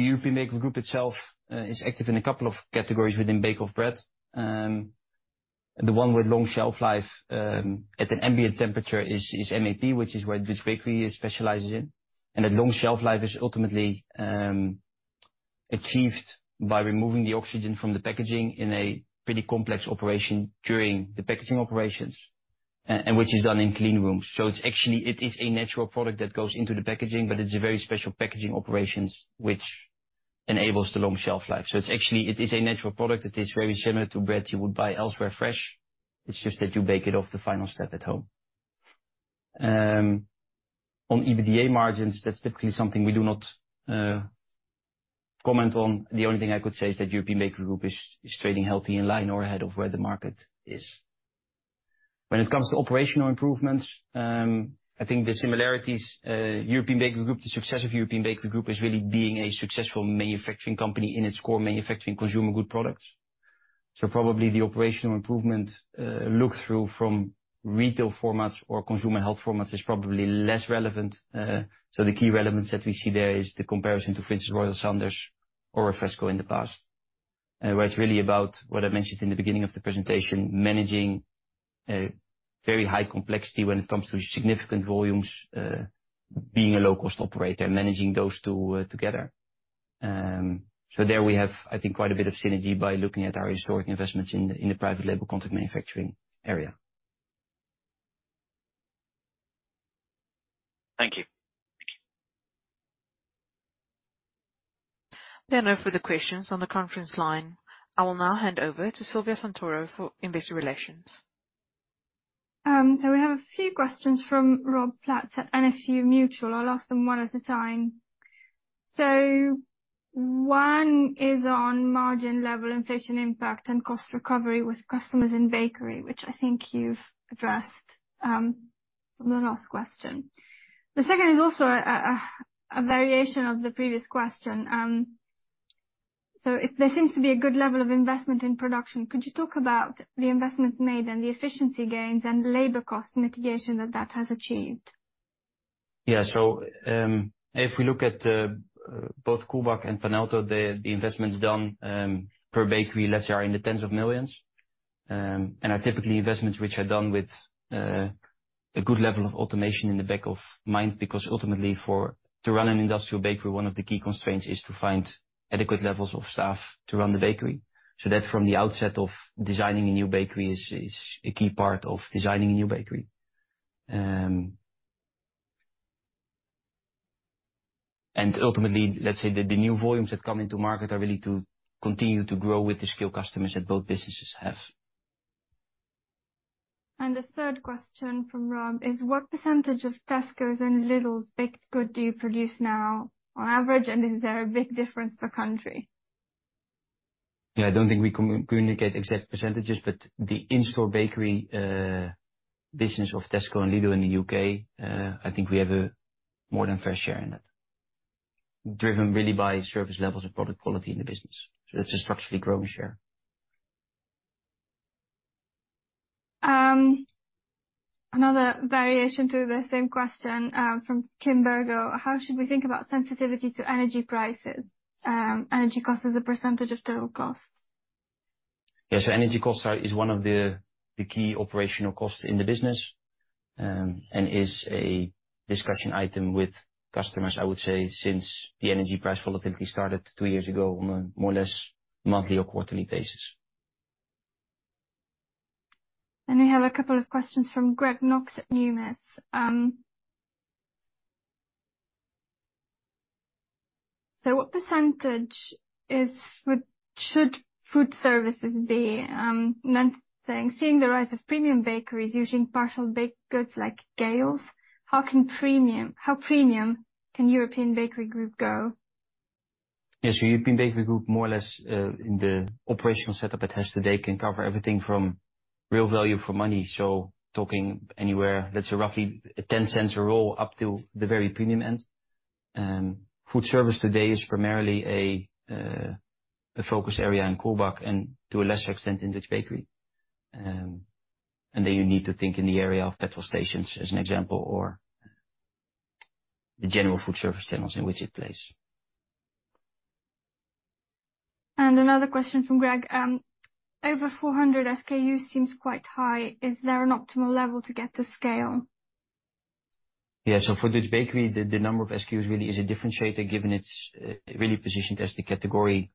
European Bakery Group itself is active in a couple of categories within bake-off bread. The one with long shelf life at an ambient temperature is MAP, which is what Dutch Bakery specializes in. And that long shelf life is ultimately achieved by removing the oxygen from the packaging in a pretty complex operation during the packaging operations, and which is done in clean rooms. So it's actually, it is a natural product that goes into the packaging, but it's a very special packaging operations which enables the long shelf life. So it's actually, it is a natural product that is very similar to bread you would buy elsewhere fresh. It's just that you bake it off the final step at home. On EBITDA margins, that's typically something we do not comment on. The only thing I could say is that European Bakery Group is trading healthy, in line or ahead of where the market is. When it comes to operational improvements, I think the similarities, European Bakery Group, the success of European Bakery Group is really being a successful manufacturing company in its core manufacturing consumer good products. So probably the operational improvement, look through from retail formats or consumer health formats is probably less relevant. So the key relevance that we see there is the comparison to, for instance, Royal Sanders or Refresco in the past. where it's really about what I mentioned in the beginning of the presentation, managing a very high complexity when it comes to significant volumes, being a low-cost operator, managing those two, together. So there we have, I think, quite a bit of synergy by looking at our historic investments in the private label contract manufacturing area. Thank you. There are no further questions on the conference line. I will now hand over to Silvia Santoro for investor relations. So we have a few questions from Rob Platt at NFU Mutual. I'll ask them one at a time. So one is on margin level, inflation impact, and cost recovery with customers in bakery, which I think you've addressed from the last question. The second is also a variation of the previous question. So if there seems to be a good level of investment in production, could you talk about the investments made and the efficiency gains and labor cost mitigation that that has achieved? Yeah. So, if we look at both coolback and Panelto, the investments done per bakery, let's say, are in the EUR tens of millions. And are typically investments which are done with a good level of automation in the back of mind, because ultimately to run an industrial bakery, one of the key constraints is to find adequate levels of staff to run the bakery. So that from the outset of designing a new bakery is a key part of designing a new bakery. And ultimately, let's say the new volumes that come into market are really to continue to grow with the scale customers that both businesses have. And the third question from Rob is what percentage of Tesco's and Lidl's baked goods do you produce now on average, and is there a big difference per country? Yeah, I don't think we can communicate exact percentages, but the in-store bakery business of Tesco and Lidl in the UK, I think we have a more than fair share in that. Driven really by service levels and product quality in the business. So it's a structurally growing share. Another variation to the same question from Kim Virgo. How should we think about sensitivity to energy prices, energy costs as a percentage of total cost? Yes, so energy costs are one of the key operational costs in the business, and is a discussion item with customers, I would say, since the energy price volatility started two years ago on a more or less monthly or quarterly basis. Then we have a couple of questions from Greg Knox at Numis. So what percentage should food services be, noting the rise of premium bakeries using partial baked goods like Gail's, how premium can European Bakery Group go? Yes, so European Bakery Group, more or less, in the operational setup it has today, can cover everything from real value for money, so talking anywhere, that's roughly 0.10 a roll, up to the very premium end. Food service today is primarily a focus area in coolback, and to a lesser extent, in Dutch Bakery. And then you need to think in the area of petrol stations, as an example, or the general food service channels in which it plays. Another question from Greg. Over 400 SKUs seems quite high. Is there an optimal level to get to scale? Yeah, so for Dutch Bakery, the number of SKUs really is a differentiator, given it's really positioned as the category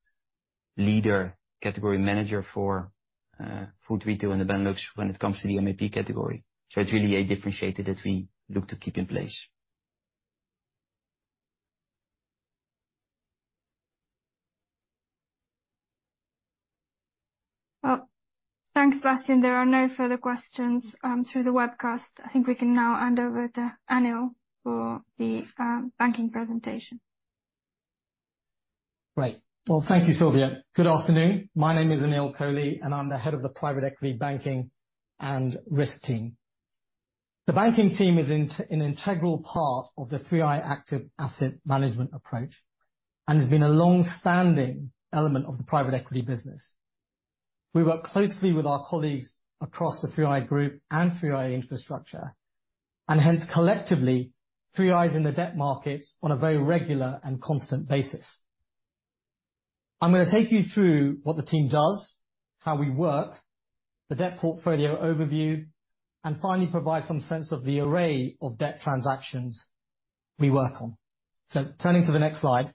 leader, category manager for food retail in the Benelux when it comes to the MAP category. So it's really a differentiator that we look to keep in place. Well, thanks, Bastiaan. There are no further questions through the webcast. I think we can now hand over to Anil for the banking presentation. Right. Well, thank you, Silvia. Good afternoon. My name is Anil Kohli, and I'm the head of the Private Equity Banking and Risk team. The banking team is an integral part of the 3i active asset management approach, and has been a long-standing element of the private equity business. We work closely with our colleagues across the 3i Group and 3i Infrastructure, and hence, collectively, 3i is in the debt markets on a very regular and constant basis. I'm gonna take you through what the team does, how we work, the debt portfolio overview, and finally, provide some sense of the array of debt transactions we work on. So turning to the next slide.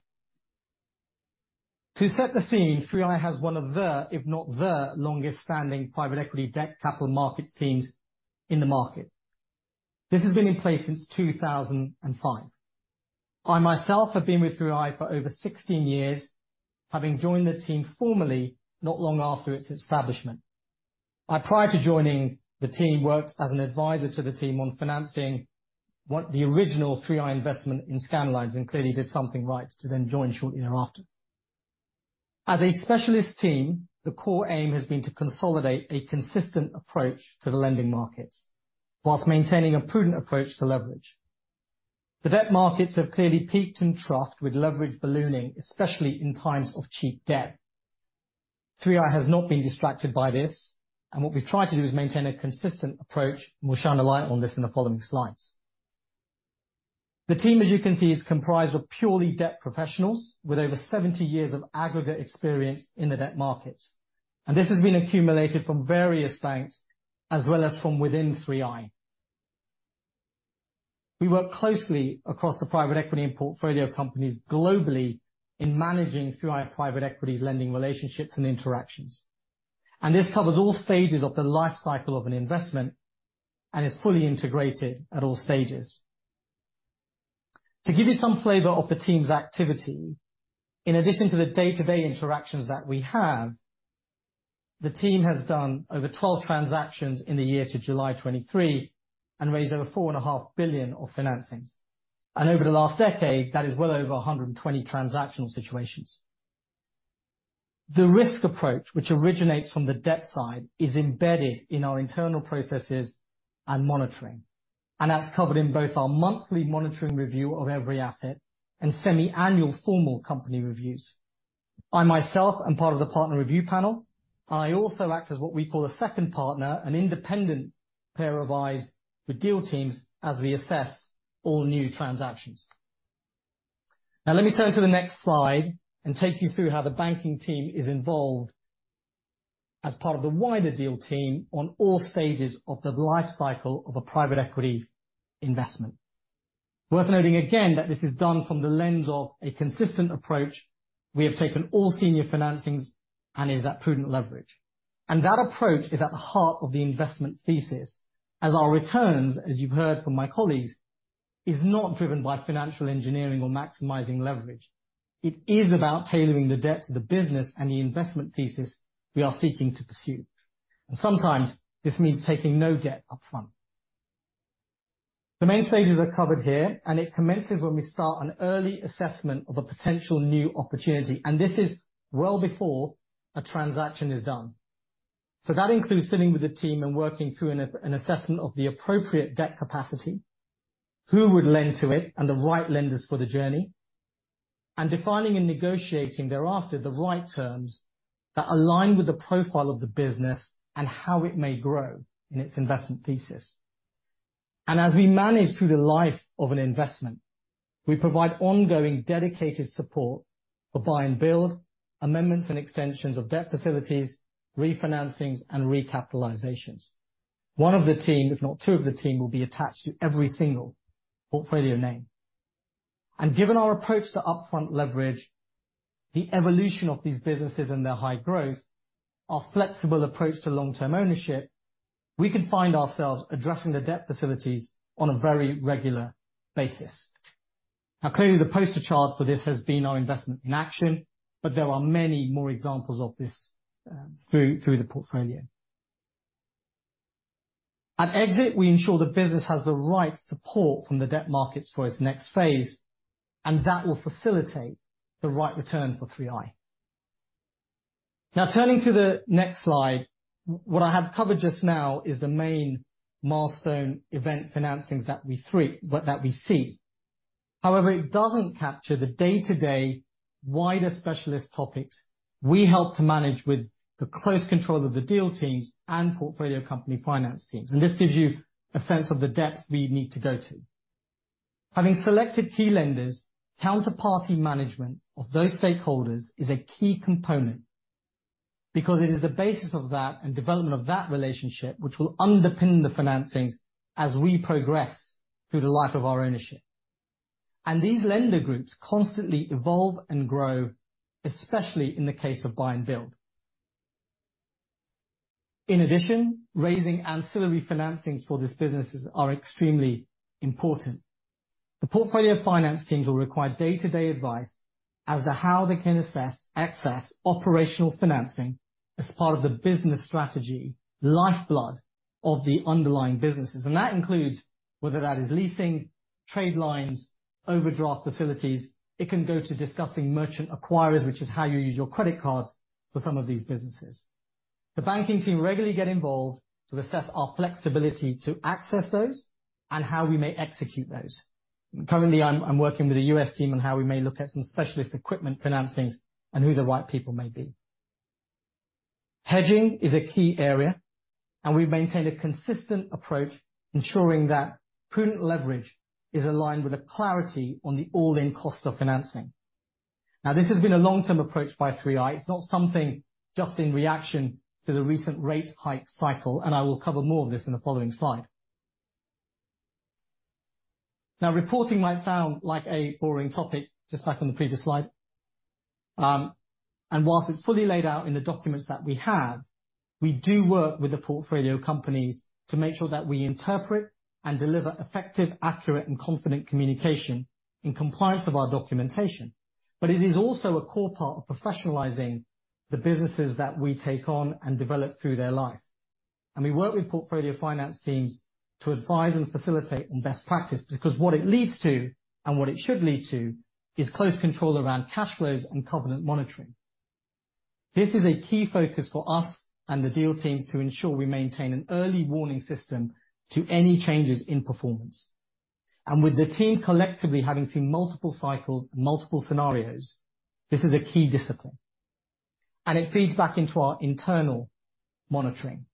To set the scene, 3i has one of the, if not the, longest standing private equity debt capital markets teams in the market. This has been in place since 2005.... I, myself, have been with 3i for over 16 years, having joined the team formally, not long after its establishment. I, prior to joining the team, worked as an advisor to the team on financing what the original 3i investment in Scandlines, and clearly did something right to then join shortly thereafter. As a specialist team, the core aim has been to consolidate a consistent approach to the lending markets, while maintaining a prudent approach to leverage. The debt markets have clearly peaked and troughed with leverage ballooning, especially in times of cheap debt. 3i has not been distracted by this, and what we've tried to do is maintain a consistent approach, and we'll shine a light on this in the following slides. The team, as you can see, is comprised of purely debt professionals with over 70 years of aggregate experience in the debt markets, and this has been accumulated from various banks as well as from within 3i. We work closely across the private equity and portfolio companies globally in managing 3i private equity's lending relationships and interactions. This covers all stages of the life cycle of an investment and is fully integrated at all stages. To give you some flavor of the team's activity, in addition to the day-to-day interactions that we have, the team has done over 12 transactions in the year to July 2023 and raised over 4.5 billion of financings. Over the last decade, that is well over 120 transactional situations. The risk approach, which originates from the debt side, is embedded in our internal processes and monitoring, and that's covered in both our monthly monitoring review of every asset and semiannual formal company reviews. I, myself, am part of the partner review panel, and I also act as what we call a second partner, an independent pair of eyes with deal teams as we assess all new transactions. Now, let me turn to the next slide and take you through how the banking team is involved as part of the wider deal team on all stages of the life cycle of a private equity investment. Worth noting again, that this is done from the lens of a consistent approach. We have taken all senior financings and is at prudent leverage. That approach is at the heart of the investment thesis, as our returns, as you've heard from my colleagues, is not driven by financial engineering or maximizing leverage. It is about tailoring the debt to the business and the investment thesis we are seeking to pursue, and sometimes this means taking no debt upfront. The main stages are covered here, and it commences when we start an early assessment of a potential new opportunity, and this is well before a transaction is done. So that includes sitting with the team and working through an assessment of the appropriate debt capacity, who would lend to it, and the right lenders for the journey, and defining and negotiating thereafter the right terms that align with the profile of the business and how it may grow in its investment thesis. As we manage through the life of an investment, we provide ongoing dedicated support for buy and build, amendments and extensions of debt facilities, refinancings, and recapitalizations. One of the team, if not two of the team, will be attached to every single portfolio name. Given our approach to upfront leverage, the evolution of these businesses and their high growth, our flexible approach to long-term ownership, we could find ourselves addressing the debt facilities on a very regular basis. Now, clearly, the poster child for this has been our investment in Action, but there are many more examples of this through the portfolio. At exit, we ensure the business has the right support from the debt markets for its next phase, and that will facilitate the right return for 3i. Now, turning to the next slide, what I have covered just now is the main milestone event financings that we see. However, it doesn't capture the day-to-day wider specialist topics we help to manage with the close control of the deal teams and portfolio company finance teams, and this gives you a sense of the depth we need to go to. Having selected key lenders, counterparty management of those stakeholders is a key component because it is the basis of that and development of that relationship which will underpin the financings as we progress through the life of our ownership. And these lender groups constantly evolve and grow, especially in the case of buy and build. In addition, raising ancillary financings for these businesses are extremely important. The portfolio finance teams will require day-to-day advice as to how they can assess access, operational financing as part of the business strategy, lifeblood of the underlying businesses. That includes whether that is leasing, trade lines, overdraft facilities. It can go to discussing merchant acquirers, which is how you use your credit cards for some of these businesses. The banking team regularly get involved to assess our flexibility to access those and how we may execute those. Currently, I'm working with the U.S. team on how we may look at some specialist equipment financings and who the right people may be. Hedging is a key area, and we've maintained a consistent approach, ensuring that prudent leverage is aligned with the clarity on the all-in cost of financing. Now, this has been a long-term approach by 3i. It's not something just in reaction to the recent rate hike cycle, and I will cover more of this in the following slide. Now, reporting might sound like a boring topic, just like on the previous slide, and while it's fully laid out in the documents that we have, we do work with the portfolio companies to make sure that we interpret and deliver effective, accurate, and confident communication in compliance of our documentation. But it is also a core part of professionalizing the businesses that we take on and develop through their life. And we work with portfolio finance teams to advise and facilitate on best practice, because what it leads to, and what it should lead to, is close control around cash flows and covenant monitoring. This is a key focus for us and the deal teams to ensure we maintain an early warning system to any changes in performance. With the team collectively having seen multiple cycles and multiple scenarios, this is a key discipline, and it feeds back into our internal monitoring,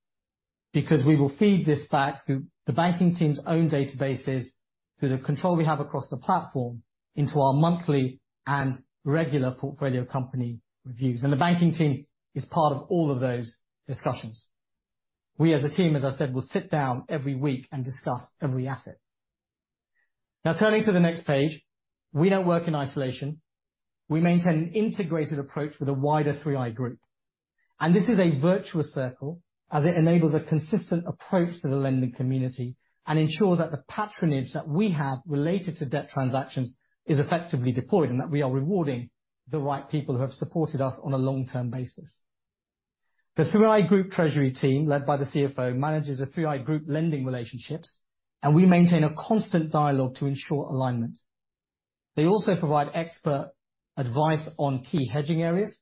because we will feed this back through the banking team's own databases, through the control we have across the platform, into our monthly and regular portfolio company reviews. The banking team is part of all of those discussions. We, as a team, as I said, will sit down every week and discuss every asset. Now, turning to the next page, we don't work in isolation. We maintain an integrated approach with a wider 3i Group, and this is a virtuous circle, as it enables a consistent approach to the lending community and ensures that the patronage that we have related to debt transactions is effectively deployed, and that we are rewarding the right people who have supported us on a long-term basis. The 3i Group treasury team, led by the CFO, manages the 3i Group lending relationships, and we maintain a constant dialogue to ensure alignment. They also provide expert advice on key hedging areas,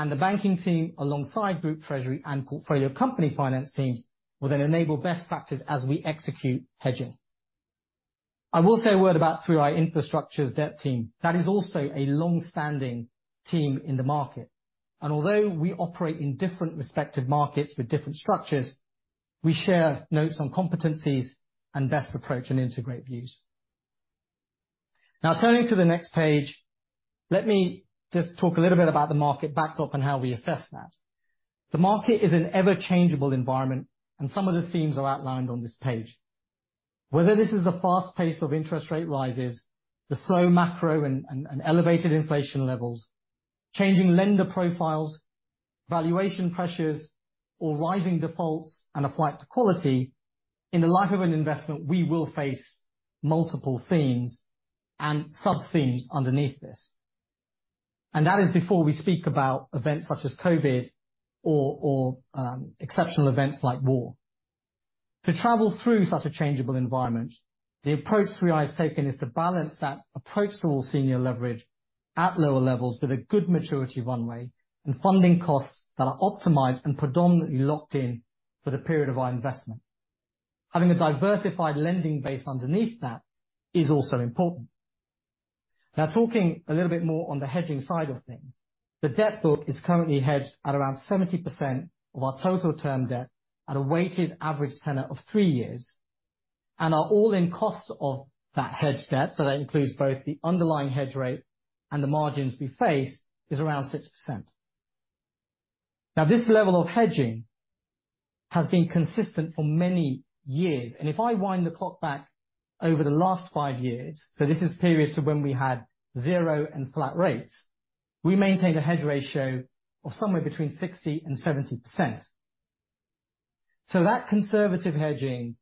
and the banking team, alongside group treasury and portfolio company finance teams, will then enable best practices as we execute hedging. I will say a word about 3i Infrastructure's debt team. That is also a long-standing team in the market, and although we operate in different respective markets with different structures, we share notes on competencies and best approach and integrate views. Now, turning to the next page, let me just talk a little bit about the market backdrop and how we assess that. The market is an ever-changeable environment, and some of the themes are outlined on this page. Whether this is the fast pace of interest rate rises, the slow macro and, and elevated inflation levels, changing lender profiles, valuation pressures, or rising defaults and a flight to quality, in the life of an investment, we will face multiple themes and sub-themes underneath this. That is before we speak about events such as COVID or, or, exceptional events like war. To travel through such a changeable environment, the approach 3i has taken is to balance that approachable senior leverage at lower levels with a good maturity runway and funding costs that are optimized and predominantly locked in for the period of our investment. Having a diversified lending base underneath that is also important. Now, talking a little bit more on the hedging side of things, the debt book is currently hedged at around 70% of our total term debt at a weighted average tenor of three years, and our all-in cost of that hedged debt, so that includes both the underlying hedge rate and the margins we face, is around 6%. Now, this level of hedging has been consistent for many years, and if I wind the clock back over the last five years, so this is periods of when we had zero and flat rates, we maintained a hedge ratio of somewhere between 60%-70%. That conservative hedging,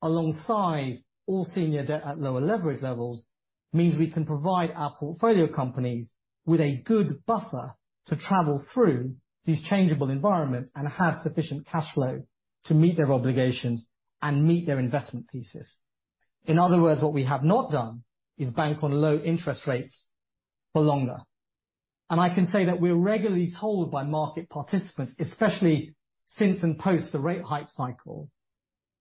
alongside all senior debt at lower leverage levels, means we can provide our portfolio companies with a good buffer to travel through these changeable environments and have sufficient cash flow to meet their obligations and meet their investment thesis. In other words, what we have not done is bank on low interest rates for longer. I can say that we're regularly told by market participants, especially since and post the rate hike cycle,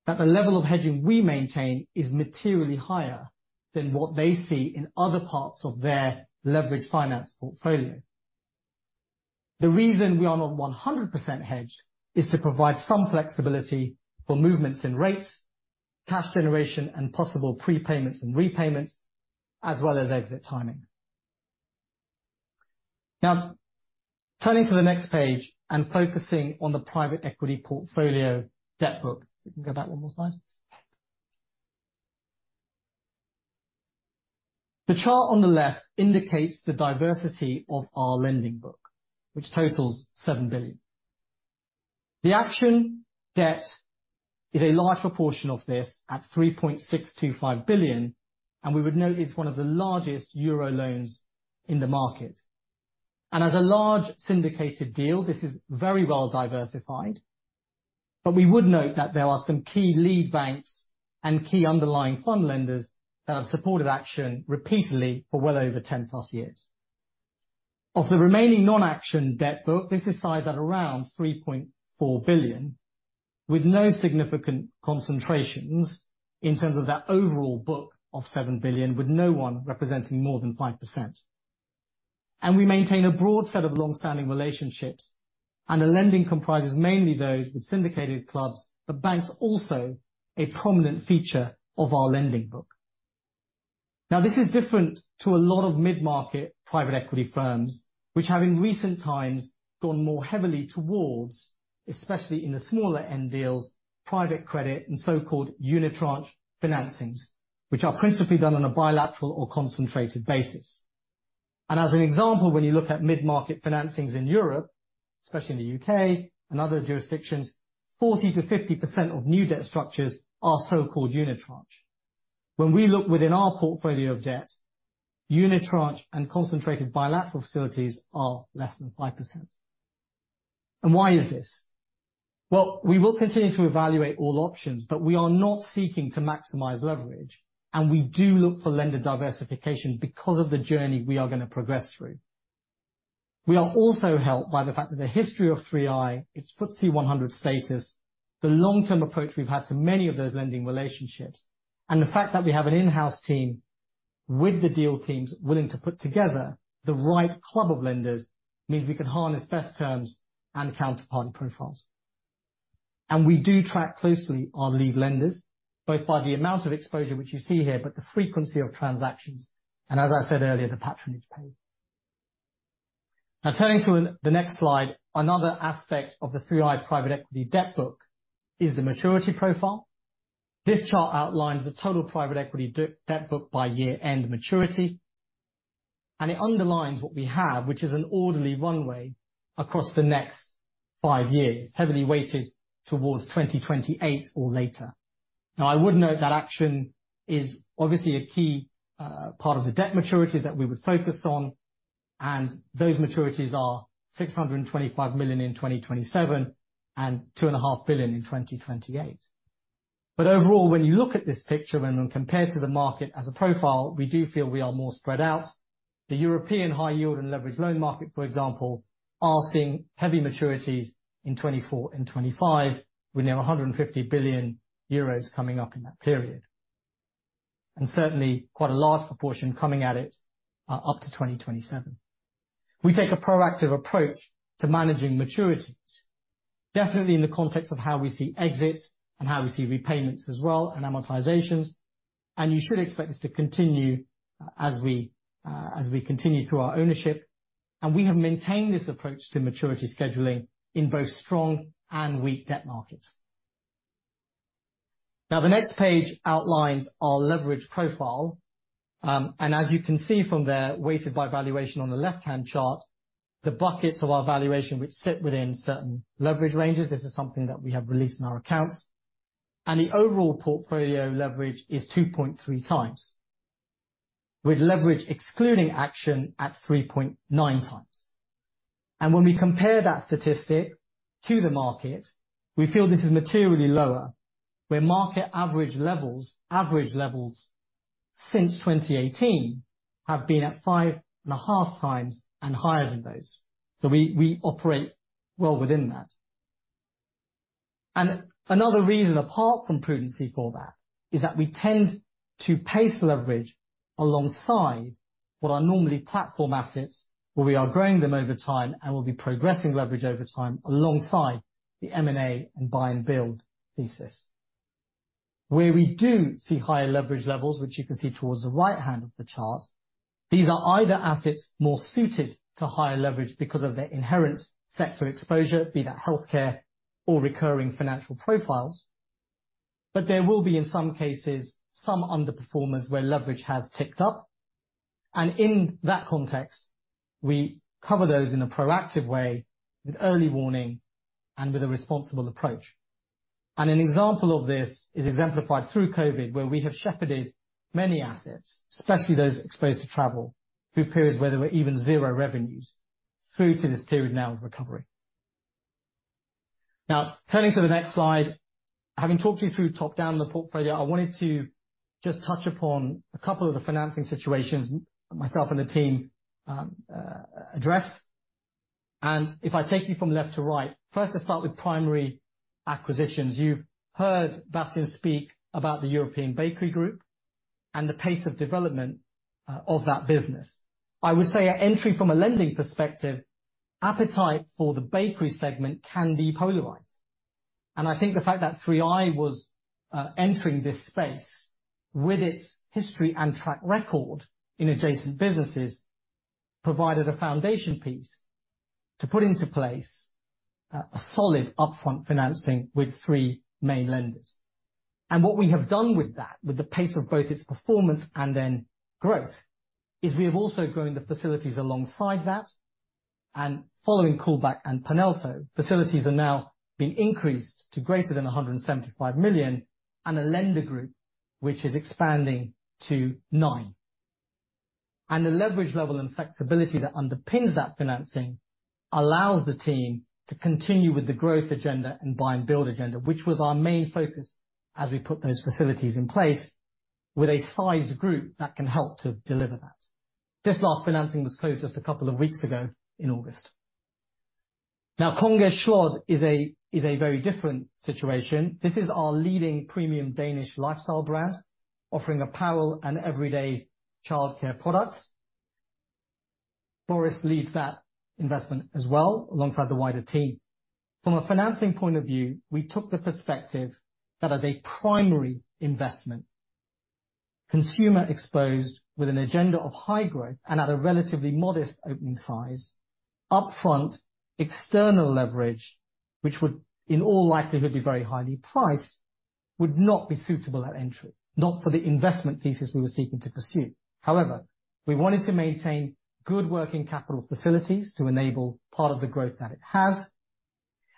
that the level of hedging we maintain is materially higher than what they see in other parts of their leveraged finance portfolio. The reason we are not 100% hedged is to provide some flexibility for movements in rates, cash generation, and possible prepayments and repayments, as well as exit timing. Now, turning to the next page and focusing on the Private Equity portfolio debt book. You can go back one more slide. The chart on the left indicates the diversity of our lending book, which totals 7 billion. The Action debt is a large proportion of this, at 3.625 billion, and we would note it's one of the largest euro loans in the market. As a large syndicated deal, this is very well diversified, but we would note that there are some key lead banks and key underlying fund lenders that have supported Action repeatedly for well over 10 plus years. Of the remaining non-Action debt book, this is sized at around 3.4 billion, with no significant concentrations in terms of that overall book of 7 billion, with no one representing more than 5%. We maintain a broad set of long-standing relationships, and the lending comprises mainly those with syndicated clubs, but banks also a prominent feature of our lending book. Now, this is different to a lot of mid-market private equity firms, which have in recent times gone more heavily towards, especially in the smaller end deals, private credit and so-called unitranche financings, which are principally done on a bilateral or concentrated basis. As an example, when you look at mid-market financings in Europe, especially in the UK and other jurisdictions, 40%-50% of new debt structures are so-called unitranche. When we look within our portfolio of debt, unitranche and concentrated bilateral facilities are less than 5%. Why is this? Well, we will continue to evaluate all options, but we are not seeking to maximize leverage, and we do look for lender diversification because of the journey we are gonna progress through. We are also helped by the fact that the history of 3i, its FTSE 100 status, the long-term approach we've had to many of those lending relationships, and the fact that we have an in-house team with the deal teams willing to put together the right club of lenders, means we can harness best terms and counterparty profiles. We do track closely our lead lenders, both by the amount of exposure which you see here, but the frequency of transactions, and as I said earlier, the patronage page. Now, turning to the next slide, another aspect of the 3i private equity debt book is the maturity profile. This chart outlines the total private equity debt book by year-end maturity, and it underlines what we have, which is an orderly runway across the next five years, heavily weighted towards 2028 or later. Now, I would note that Action is obviously a key part of the debt maturities that we would focus on, and those maturities are 625 million in 2027, and 2.5 billion in 2028. But overall, when you look at this picture, when compared to the market as a profile, we do feel we are more spread out. The European high yield and leverage loan market, for example, are seeing heavy maturities in 2024 and 2025, with nearly 150 billion euros coming up in that period. And certainly, quite a large proportion coming at it up to 2027. We take a proactive approach to managing maturities, definitely in the context of how we see exits and how we see repayments as well, and amortizations, and you should expect this to continue as we continue through our ownership. And we have maintained this approach to maturity scheduling in both strong and weak debt markets. Now, the next page outlines our leverage profile. And as you can see from there, weighted by valuation on the left-hand chart, the buckets of our valuation, which sit within certain leverage ranges, this is something that we have released in our accounts, and the overall portfolio leverage is 2.3 times, with leverage excluding Action at 3.9 times. And when we compare that statistic to the market, we feel this is materially lower, where market average levels, average levels, since 2018 have been at 5.5 times and higher than those. So we operate well within that. And another reason, apart from prudence for that, is that we tend to pace leverage alongside what are normally platform assets, where we are growing them over time and will be progressing leverage over time alongside the M&A and buy and build thesis. Where we do see higher leverage levels, which you can see towards the right-hand of the chart, these are either assets more suited to higher leverage because of their inherent sector exposure, be that healthcare or recurring financial profiles. But there will be, in some cases, some underperformers where leverage has ticked up, and in that context, we cover those in a proactive way, with early warning and with a responsible approach. And an example of this is exemplified through COVID, where we have shepherded many assets, especially those exposed to travel, through periods where there were even zero revenues, through to this period now of recovery. Now, turning to the next slide. Having talked you through top-down the portfolio, I wanted to just touch upon a couple of the financing situations myself and the team addressed. If I take you from left to right, first I'll start with primary acquisitions. You've heard Bastiaan speak about the European Bakery Group and the pace of development, of that business. I would say an entry from a lending perspective, appetite for the bakery segment can be polarized. I think the fact that 3i was entering this space with its history and track record in adjacent businesses provided a foundation piece to put into place a solid upfront financing with three main lenders. What we have done with that, with the pace of both its performance and then growth, is we have also grown the facilities alongside that, and following coolback and Panelto, facilities are now being increased to greater than 175 million, and a lender group, which is expanding to nine. The leverage level and flexibility that underpins that financing allows the team to continue with the growth agenda and buy and build agenda, which was our main focus as we put those facilities in place, with a sized group that can help to deliver that. This last financing was closed just a couple of weeks ago in August. Now, Konges Sløjd is a very different situation. This is our leading premium Danish lifestyle brand, offering apparel and everyday childcare products. Boris leads that investment as well, alongside the wider team. From a financing point of view, we took the perspective that as a primary investment, consumer exposed with an agenda of high growth and at a relatively modest opening size-... Upfront external leverage, which would, in all likelihood, be very highly priced, would not be suitable at entry, not for the investment thesis we were seeking to pursue. However, we wanted to maintain good working capital facilities to enable part of the growth that it had,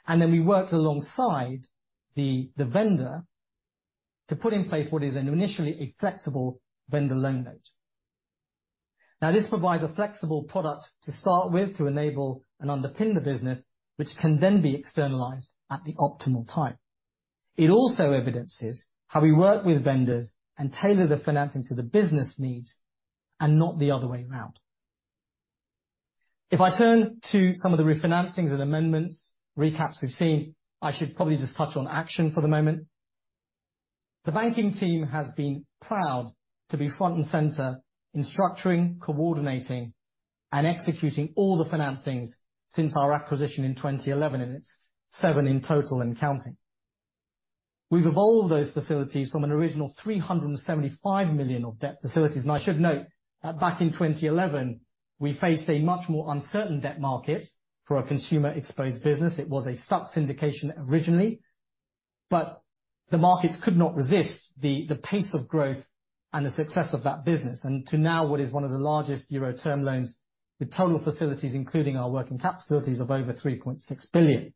and then we worked alongside the vendor to put in place what is initially a flexible vendor loan note. Now, this provides a flexible product to start with to enable and underpin the business, which can then be externalized at the optimal time. It also evidences how we work with vendors and tailor the financing to the business needs and not the other way around. If I turn to some of the refinancings and amendments, recaps we've seen, I should probably just touch on Action for the moment. The banking team has been proud to be front and center in structuring, coordinating, and executing all the financings since our acquisition in 2011, and it's seven in total and counting. We've evolved those facilities from an original 375 million of debt facilities, and I should note that back in 2011, we faced a much more uncertain debt market for our consumer-exposed business. It was a sub-syndication originally, but the markets could not resist the pace of growth and the success of that business, and now to what is one of the largest euro term loans, with total facilities, including our working capital facilities, of over 3.6 billion.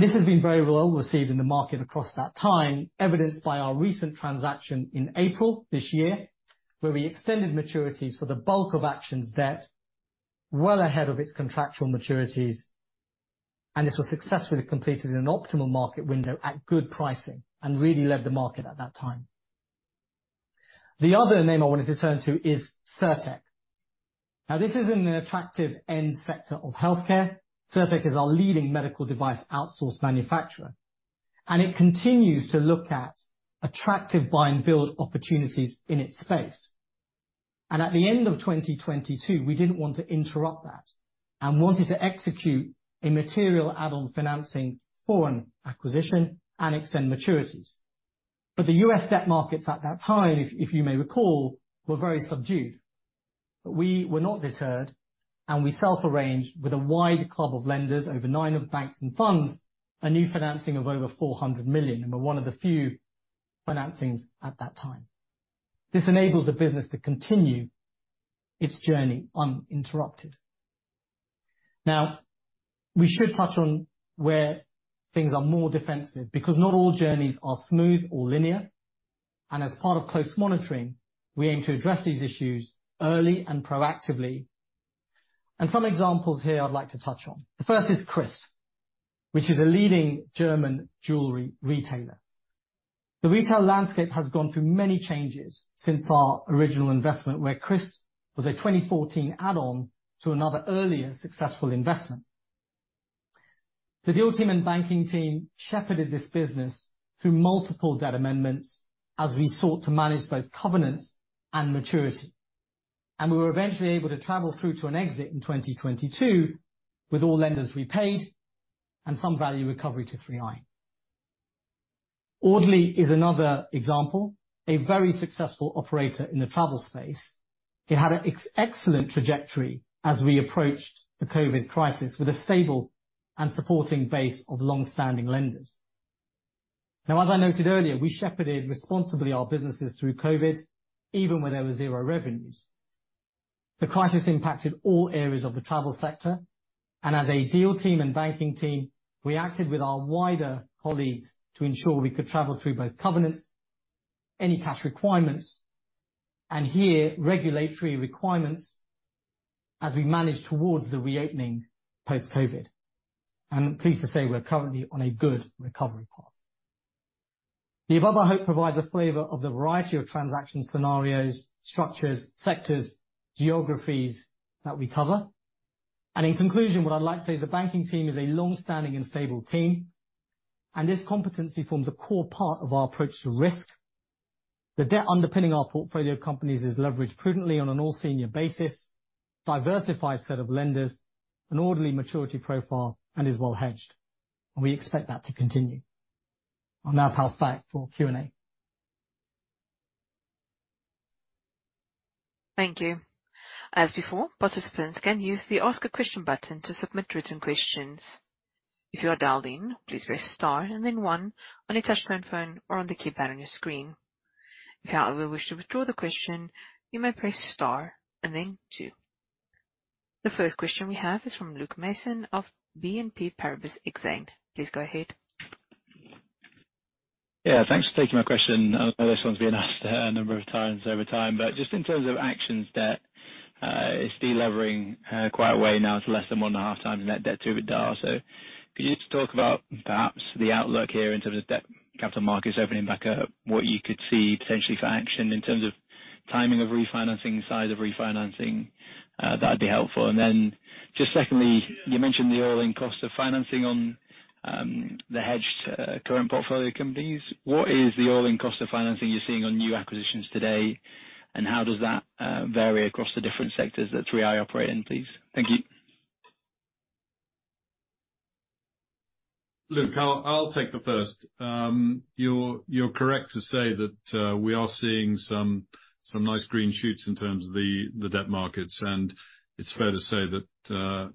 This has been very well received in the market across that time, evidenced by our recent transaction in April this year, where we extended maturities for the bulk of Action's debt well ahead of its contractual maturities, and this was successfully completed in an optimal market window at good pricing and really led the market at that time. The other name I wanted to turn to is Cirtec. Now, this is in an attractive end sector of healthcare. Cirtec is our leading medical device outsource manufacturer, and it continues to look at attractive buy and build opportunities in its space. At the end of 2022, we didn't want to interrupt that and wanted to execute a material add-on financing for an acquisition and extend maturities. The U.S. debt markets at that time, if, if you may recall, were very subdued. But we were not deterred, and we self-arranged with a wide club of lenders, over nine banks and funds, a new financing of over 400 million and were one of the few financings at that time. This enables the business to continue its journey uninterrupted. Now, we should touch on where things are more defensive, because not all journeys are smooth or linear, and as part of close monitoring, we aim to address these issues early and proactively. And some examples here I'd like to touch on. The first is Christ, which is a leading German jewelry retailer. The retail landscape has gone through many changes since our original investment, where Christ was a 2014 add-on to another earlier successful investment. The deal team and banking team shepherded this business through multiple debt amendments as we sought to manage both covenants and maturity. And we were eventually able to travel through to an exit in 2022, with all lenders repaid and some value recovery to 3i. Audley is another example, a very successful operator in the travel space. He had an excellent trajectory as we approached the COVID crisis with a stable and supporting base of long-standing lenders. Now, as I noted earlier, we shepherded responsibly our businesses through COVID, even when there were zero revenues. The crisis impacted all areas of the travel sector, and as a deal team and banking team, we acted with our wider colleagues to ensure we could travel through both covenants, any cash requirements, and here, regulatory requirements as we managed towards the reopening post-COVID. I'm pleased to say we're currently on a good recovery path. The above, I hope, provides a flavor of the variety of transaction scenarios, structures, sectors, geographies that we cover. In conclusion, what I'd like to say is the banking team is a long-standing and stable team, and this competency forms a core part of our approach to risk. The debt underpinning our portfolio of companies is leveraged prudently on an all senior basis, diversified set of lenders, an orderly maturity profile, and is well hedged, and we expect that to continue. I'll now pass back for Q&A. Thank you. As before, participants can use the Ask a Question button to submit written questions. If you are dialed in, please press star and then one on your touch-tone phone or on the keypad on your screen. If you, however, wish to withdraw the question, you may press star and then two. The first question we have is from Luke Mason of BNP Paribas Exane. Please go ahead. Yeah, thanks for taking my question. I know this one's been asked a number of times over time, but just in terms of Action that is delevering quite a way now to less than 1.5 times net debt to EBITDA. So could you just talk about perhaps the outlook here in terms of debt, capital markets opening back up, what you could see potentially for Action in terms of timing of refinancing, size of refinancing? That'd be helpful. And then just secondly, you mentioned the all-in cost of financing on the hedged current portfolio companies. What is the all-in cost of financing you're seeing on new acquisitions today, and how does that vary across the different sectors that 3i operate in, please? Thank you. ... Luke, I'll take the first. You're correct to say that we are seeing some nice green shoots in terms of the debt markets, and it's fair to say that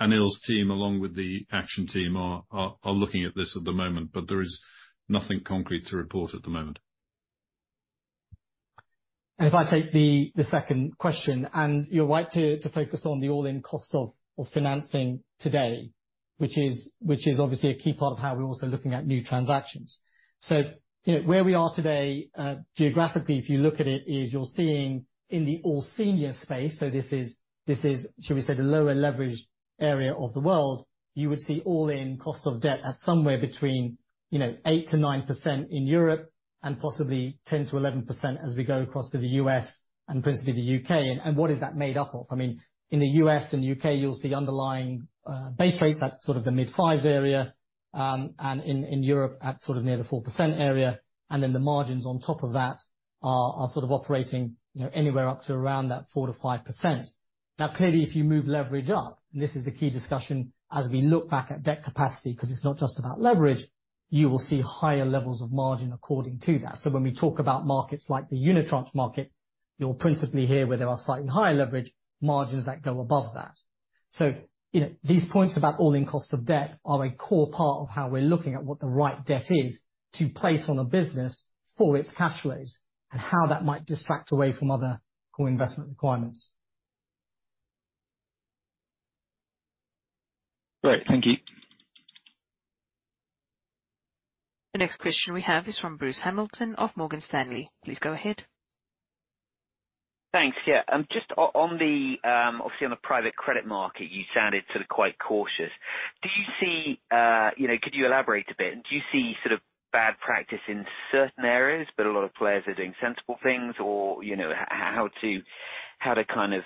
Anil's team, along with the Action team, are looking at this at the moment, but there is nothing concrete to report at the moment. And if I take the second question, and you're right to focus on the all-in cost of financing today, which is obviously a key part of how we're also looking at new transactions. So, you know, where we are today, geographically, if you look at it, is you're seeing in the all senior space, so this is, should we say, the lower leverage area of the world, you would see all-in cost of debt at somewhere between, you know, 8%-9% in Europe and possibly 10%-11% as we go across to the U.S. and principally the UK And what is that made up of? I mean, in the U.S. and UK, you'll see underlying base rates at sort of the mid-5s area, and in Europe at sort of near the 4% area, and then the margins on top of that are sort of operating, you know, anywhere up to around that 4%-5%. Now, clearly, if you move leverage up, and this is the key discussion as we look back at debt capacity, because it's not just about leverage, you will see higher levels of margin according to that. So when we talk about markets like the unitranche market, you'll principally hear where there are slightly higher leverage margins that go above that. So, you know, these points about all-in cost of debt are a core part of how we're looking at what the right debt is to place on a business for its cash flows and how that might distract away from other core investment requirements. Great. Thank you. The next question we have is from Bruce Hamilton of Morgan Stanley. Please go ahead. Thanks. Yeah, just on the, obviously, on the private credit market, you sounded sort of quite cautious. Do you see, you know, could you elaborate a bit? And do you see sort of bad practice in certain areas, but a lot of players are doing sensible things or, you know, how to, how to kind of,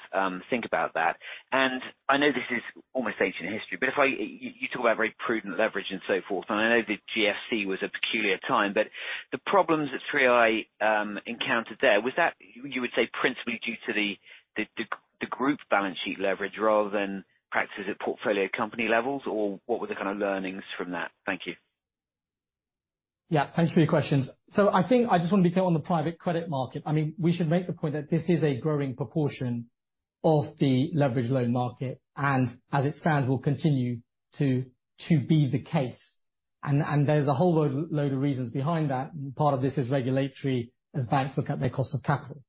think about that? And I know this is almost ancient history, but if you talk about very prudent leverage and so forth, and I know the GFC was a peculiar time, but the problems that 3i encountered there, was that, you would say, principally due to the group balance sheet leverage rather than practices at portfolio company levels, or what were the kind of learnings from that? Thank you. Yeah, thanks for your questions. So I think I just want to be clear on the private credit market. I mean, we should make the point that this is a growing proportion of the leverage loan market, and as it stands, will continue to be the case. And there's a whole load of reasons behind that. Part of this is regulatory, as banks look at their cost of capital.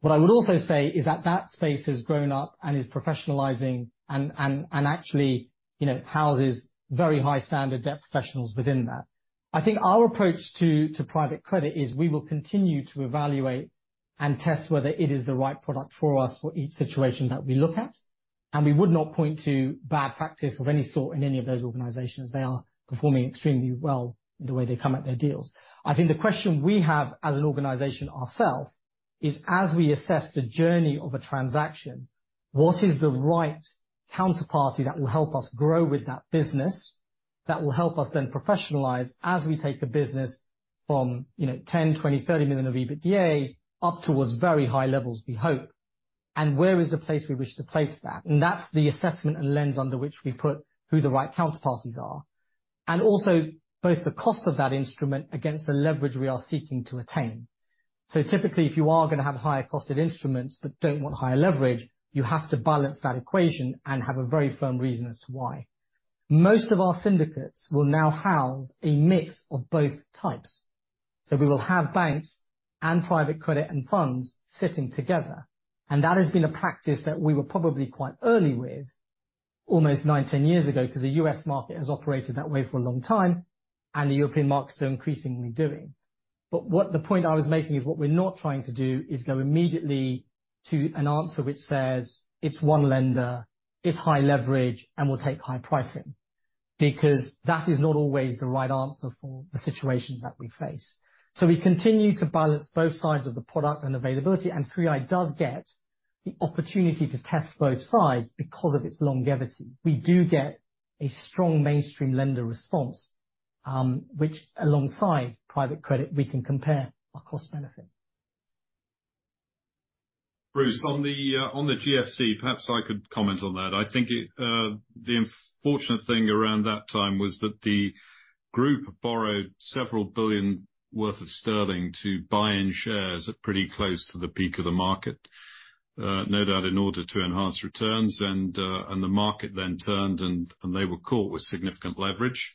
What I would also say is that that space has grown up and is professionalizing and actually, you know, houses very high standard debt professionals within that. I think our approach to private credit is we will continue to evaluate and test whether it is the right product for us for each situation that we look at, and we would not point to bad practice of any sort in any of those organizations. They are performing extremely well in the way they come at their deals. I think the question we have as an organization ourselves is, as we assess the journey of a transaction, what is the right counterparty that will help us grow with that business, that will help us then professionalize as we take the business from, you know, 10 million, 20 million, 30 million of EBITDA up towards very high levels, we hope, and where is the place we wish to place that? And that's the assessment and lens under which we put who the right counterparties are, and also both the cost of that instrument against the leverage we are seeking to attain. Typically, if you are gonna have higher-costed instruments but don't want higher leverage, you have to balance that equation and have a very firm reason as to why. Most of our syndicates will now house a mix of both types. So we will have banks and private credit and funds sitting together, and that has been a practice that we were probably quite early with, almost nine-10 years ago, because the U.S. market has operated that way for a long time, and the European markets are increasingly doing. But what the point I was making is what we're not trying to do is go immediately to an answer which says: It's one lender, it's high leverage, and we'll take high pricing. Because that is not always the right answer for the situations that we face. So we continue to balance both sides of the product and availability, and 3i does get the opportunity to test both sides because of its longevity. We do get a strong mainstream lender response, which, alongside private credit, we can compare our cost benefit. Bruce, on the GFC, perhaps I could comment on that. I think it, the unfortunate thing around that time was that the group borrowed several billion GBP to buy in shares at pretty close to the peak of the market, no doubt in order to enhance returns, and the market then turned, and they were caught with significant leverage.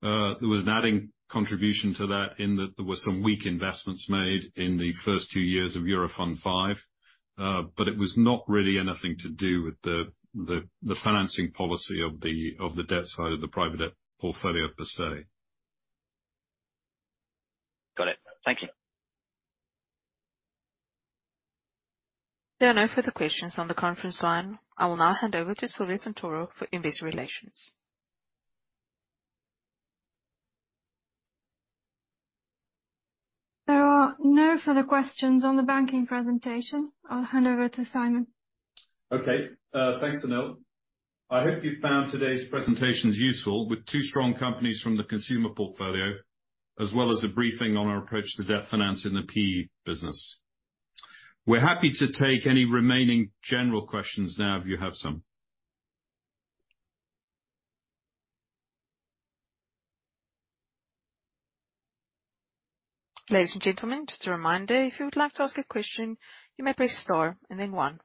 There was an adding contribution to that in that there were some weak investments made in the first two years of Eurofund V, but it was not really anything to do with the financing policy of the debt side of the private debt portfolio, per se. Got it. Thank you. There are no further questions on the conference line. I will now hand over to Silvia Santoro for Investor Relations. There are no further questions on the banking presentation. I'll hand over to Simon. Okay. Thanks Silvia. I hope you found today's presentations useful, with two strong companies from the consumer portfolio, as well as a briefing on our approach to debt finance in the PE business.... We're happy to take any remaining general questions now, if you have some. Ladies and gentlemen, just a reminder, if you would like to ask a question, you may press star and then one.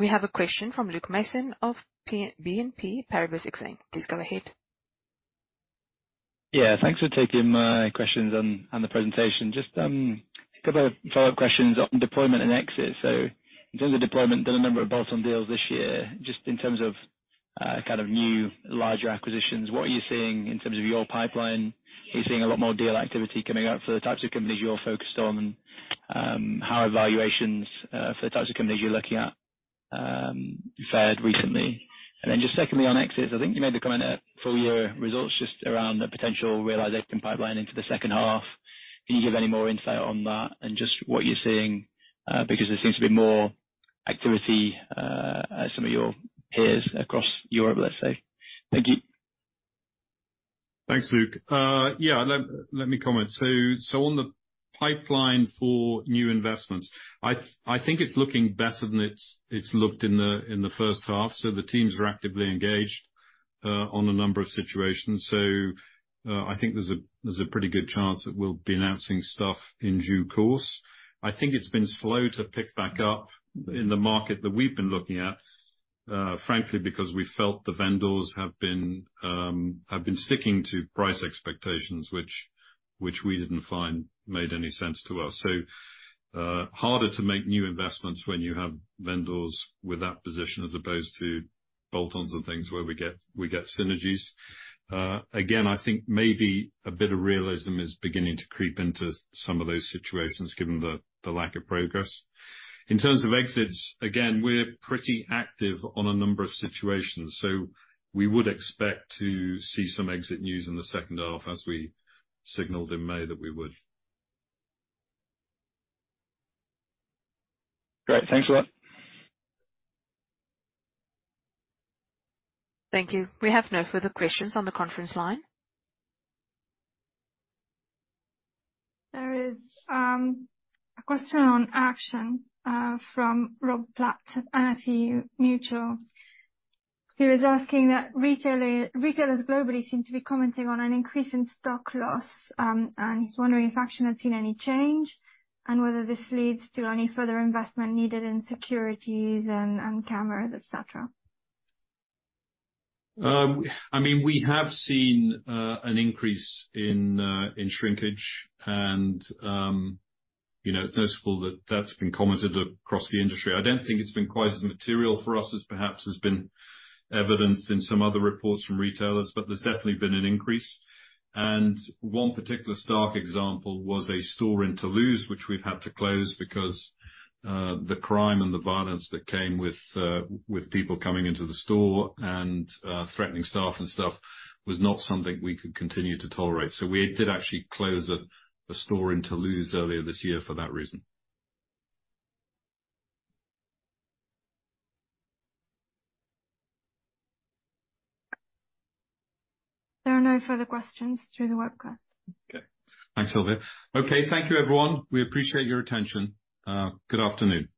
We have a question from Luke Mason of BNP Paribas Exane. Please go ahead. Yeah, thanks for taking my questions and the presentation. Just a couple of follow-up questions on deployment and exit. So in terms of deployment, done a number of bolt-on deals this year. Just in terms of kind of new, larger acquisitions, what are you seeing in terms of your pipeline? Are you seeing a lot more deal activity coming out for the types of companies you're focused on? And how are valuations for the types of companies you're looking at fared recently? And then just secondly, on exits, I think you made the comment at full year results just around the potential realization pipeline into the second half. Can you give any more insight on that and just what you're seeing? Because there seems to be more activity at some of your peers across Europe, let's say. Thank you. Thanks, Luke. Yeah, let me comment. So on the pipeline for new investments, I think it's looking better than it's looked in the first half, so the teams are actively engaged on a number of situations. So I think there's a pretty good chance that we'll be announcing stuff in due course. I think it's been slow to pick back up in the market that we've been looking at, frankly, because we felt the vendors have been sticking to price expectations, which we didn't find made any sense to us. So harder to make new investments when you have vendors with that position as opposed to bolt-ons and things where we get synergies. Again, I think maybe a bit of realism is beginning to creep into some of those situations, given the lack of progress. In terms of exits, again, we're pretty active on a number of situations, so we would expect to see some exit news in the second half, as we signaled in May that we would. Great. Thanks a lot. Thank you. We have no further questions on the conference line. There is a question on Action from Rob Platt of NFU Mutual. He was asking retailers globally seem to be commenting on an increase in stock loss, and he's wondering if Action has seen any change, and whether this leads to any further investment needed in securities and cameras, et cetera. I mean, we have seen, an increase in, in shrinkage, and, you know, it's noticeable that that's been commented across the industry. I don't think it's been quite as material for us as perhaps has been evidenced in some other reports from retailers, but there's definitely been an increase. And one particular stark example was a store in Toulouse, which we've had to close because, the crime and the violence that came with, with people coming into the store and, threatening staff and stuff, was not something we could continue to tolerate. So we did actually close a store in Toulouse earlier this year for that reason. There are no further questions through the webcast. Okay. Thanks, Silvia. Okay, thank you, everyone. We appreciate your attention. Good afternoon.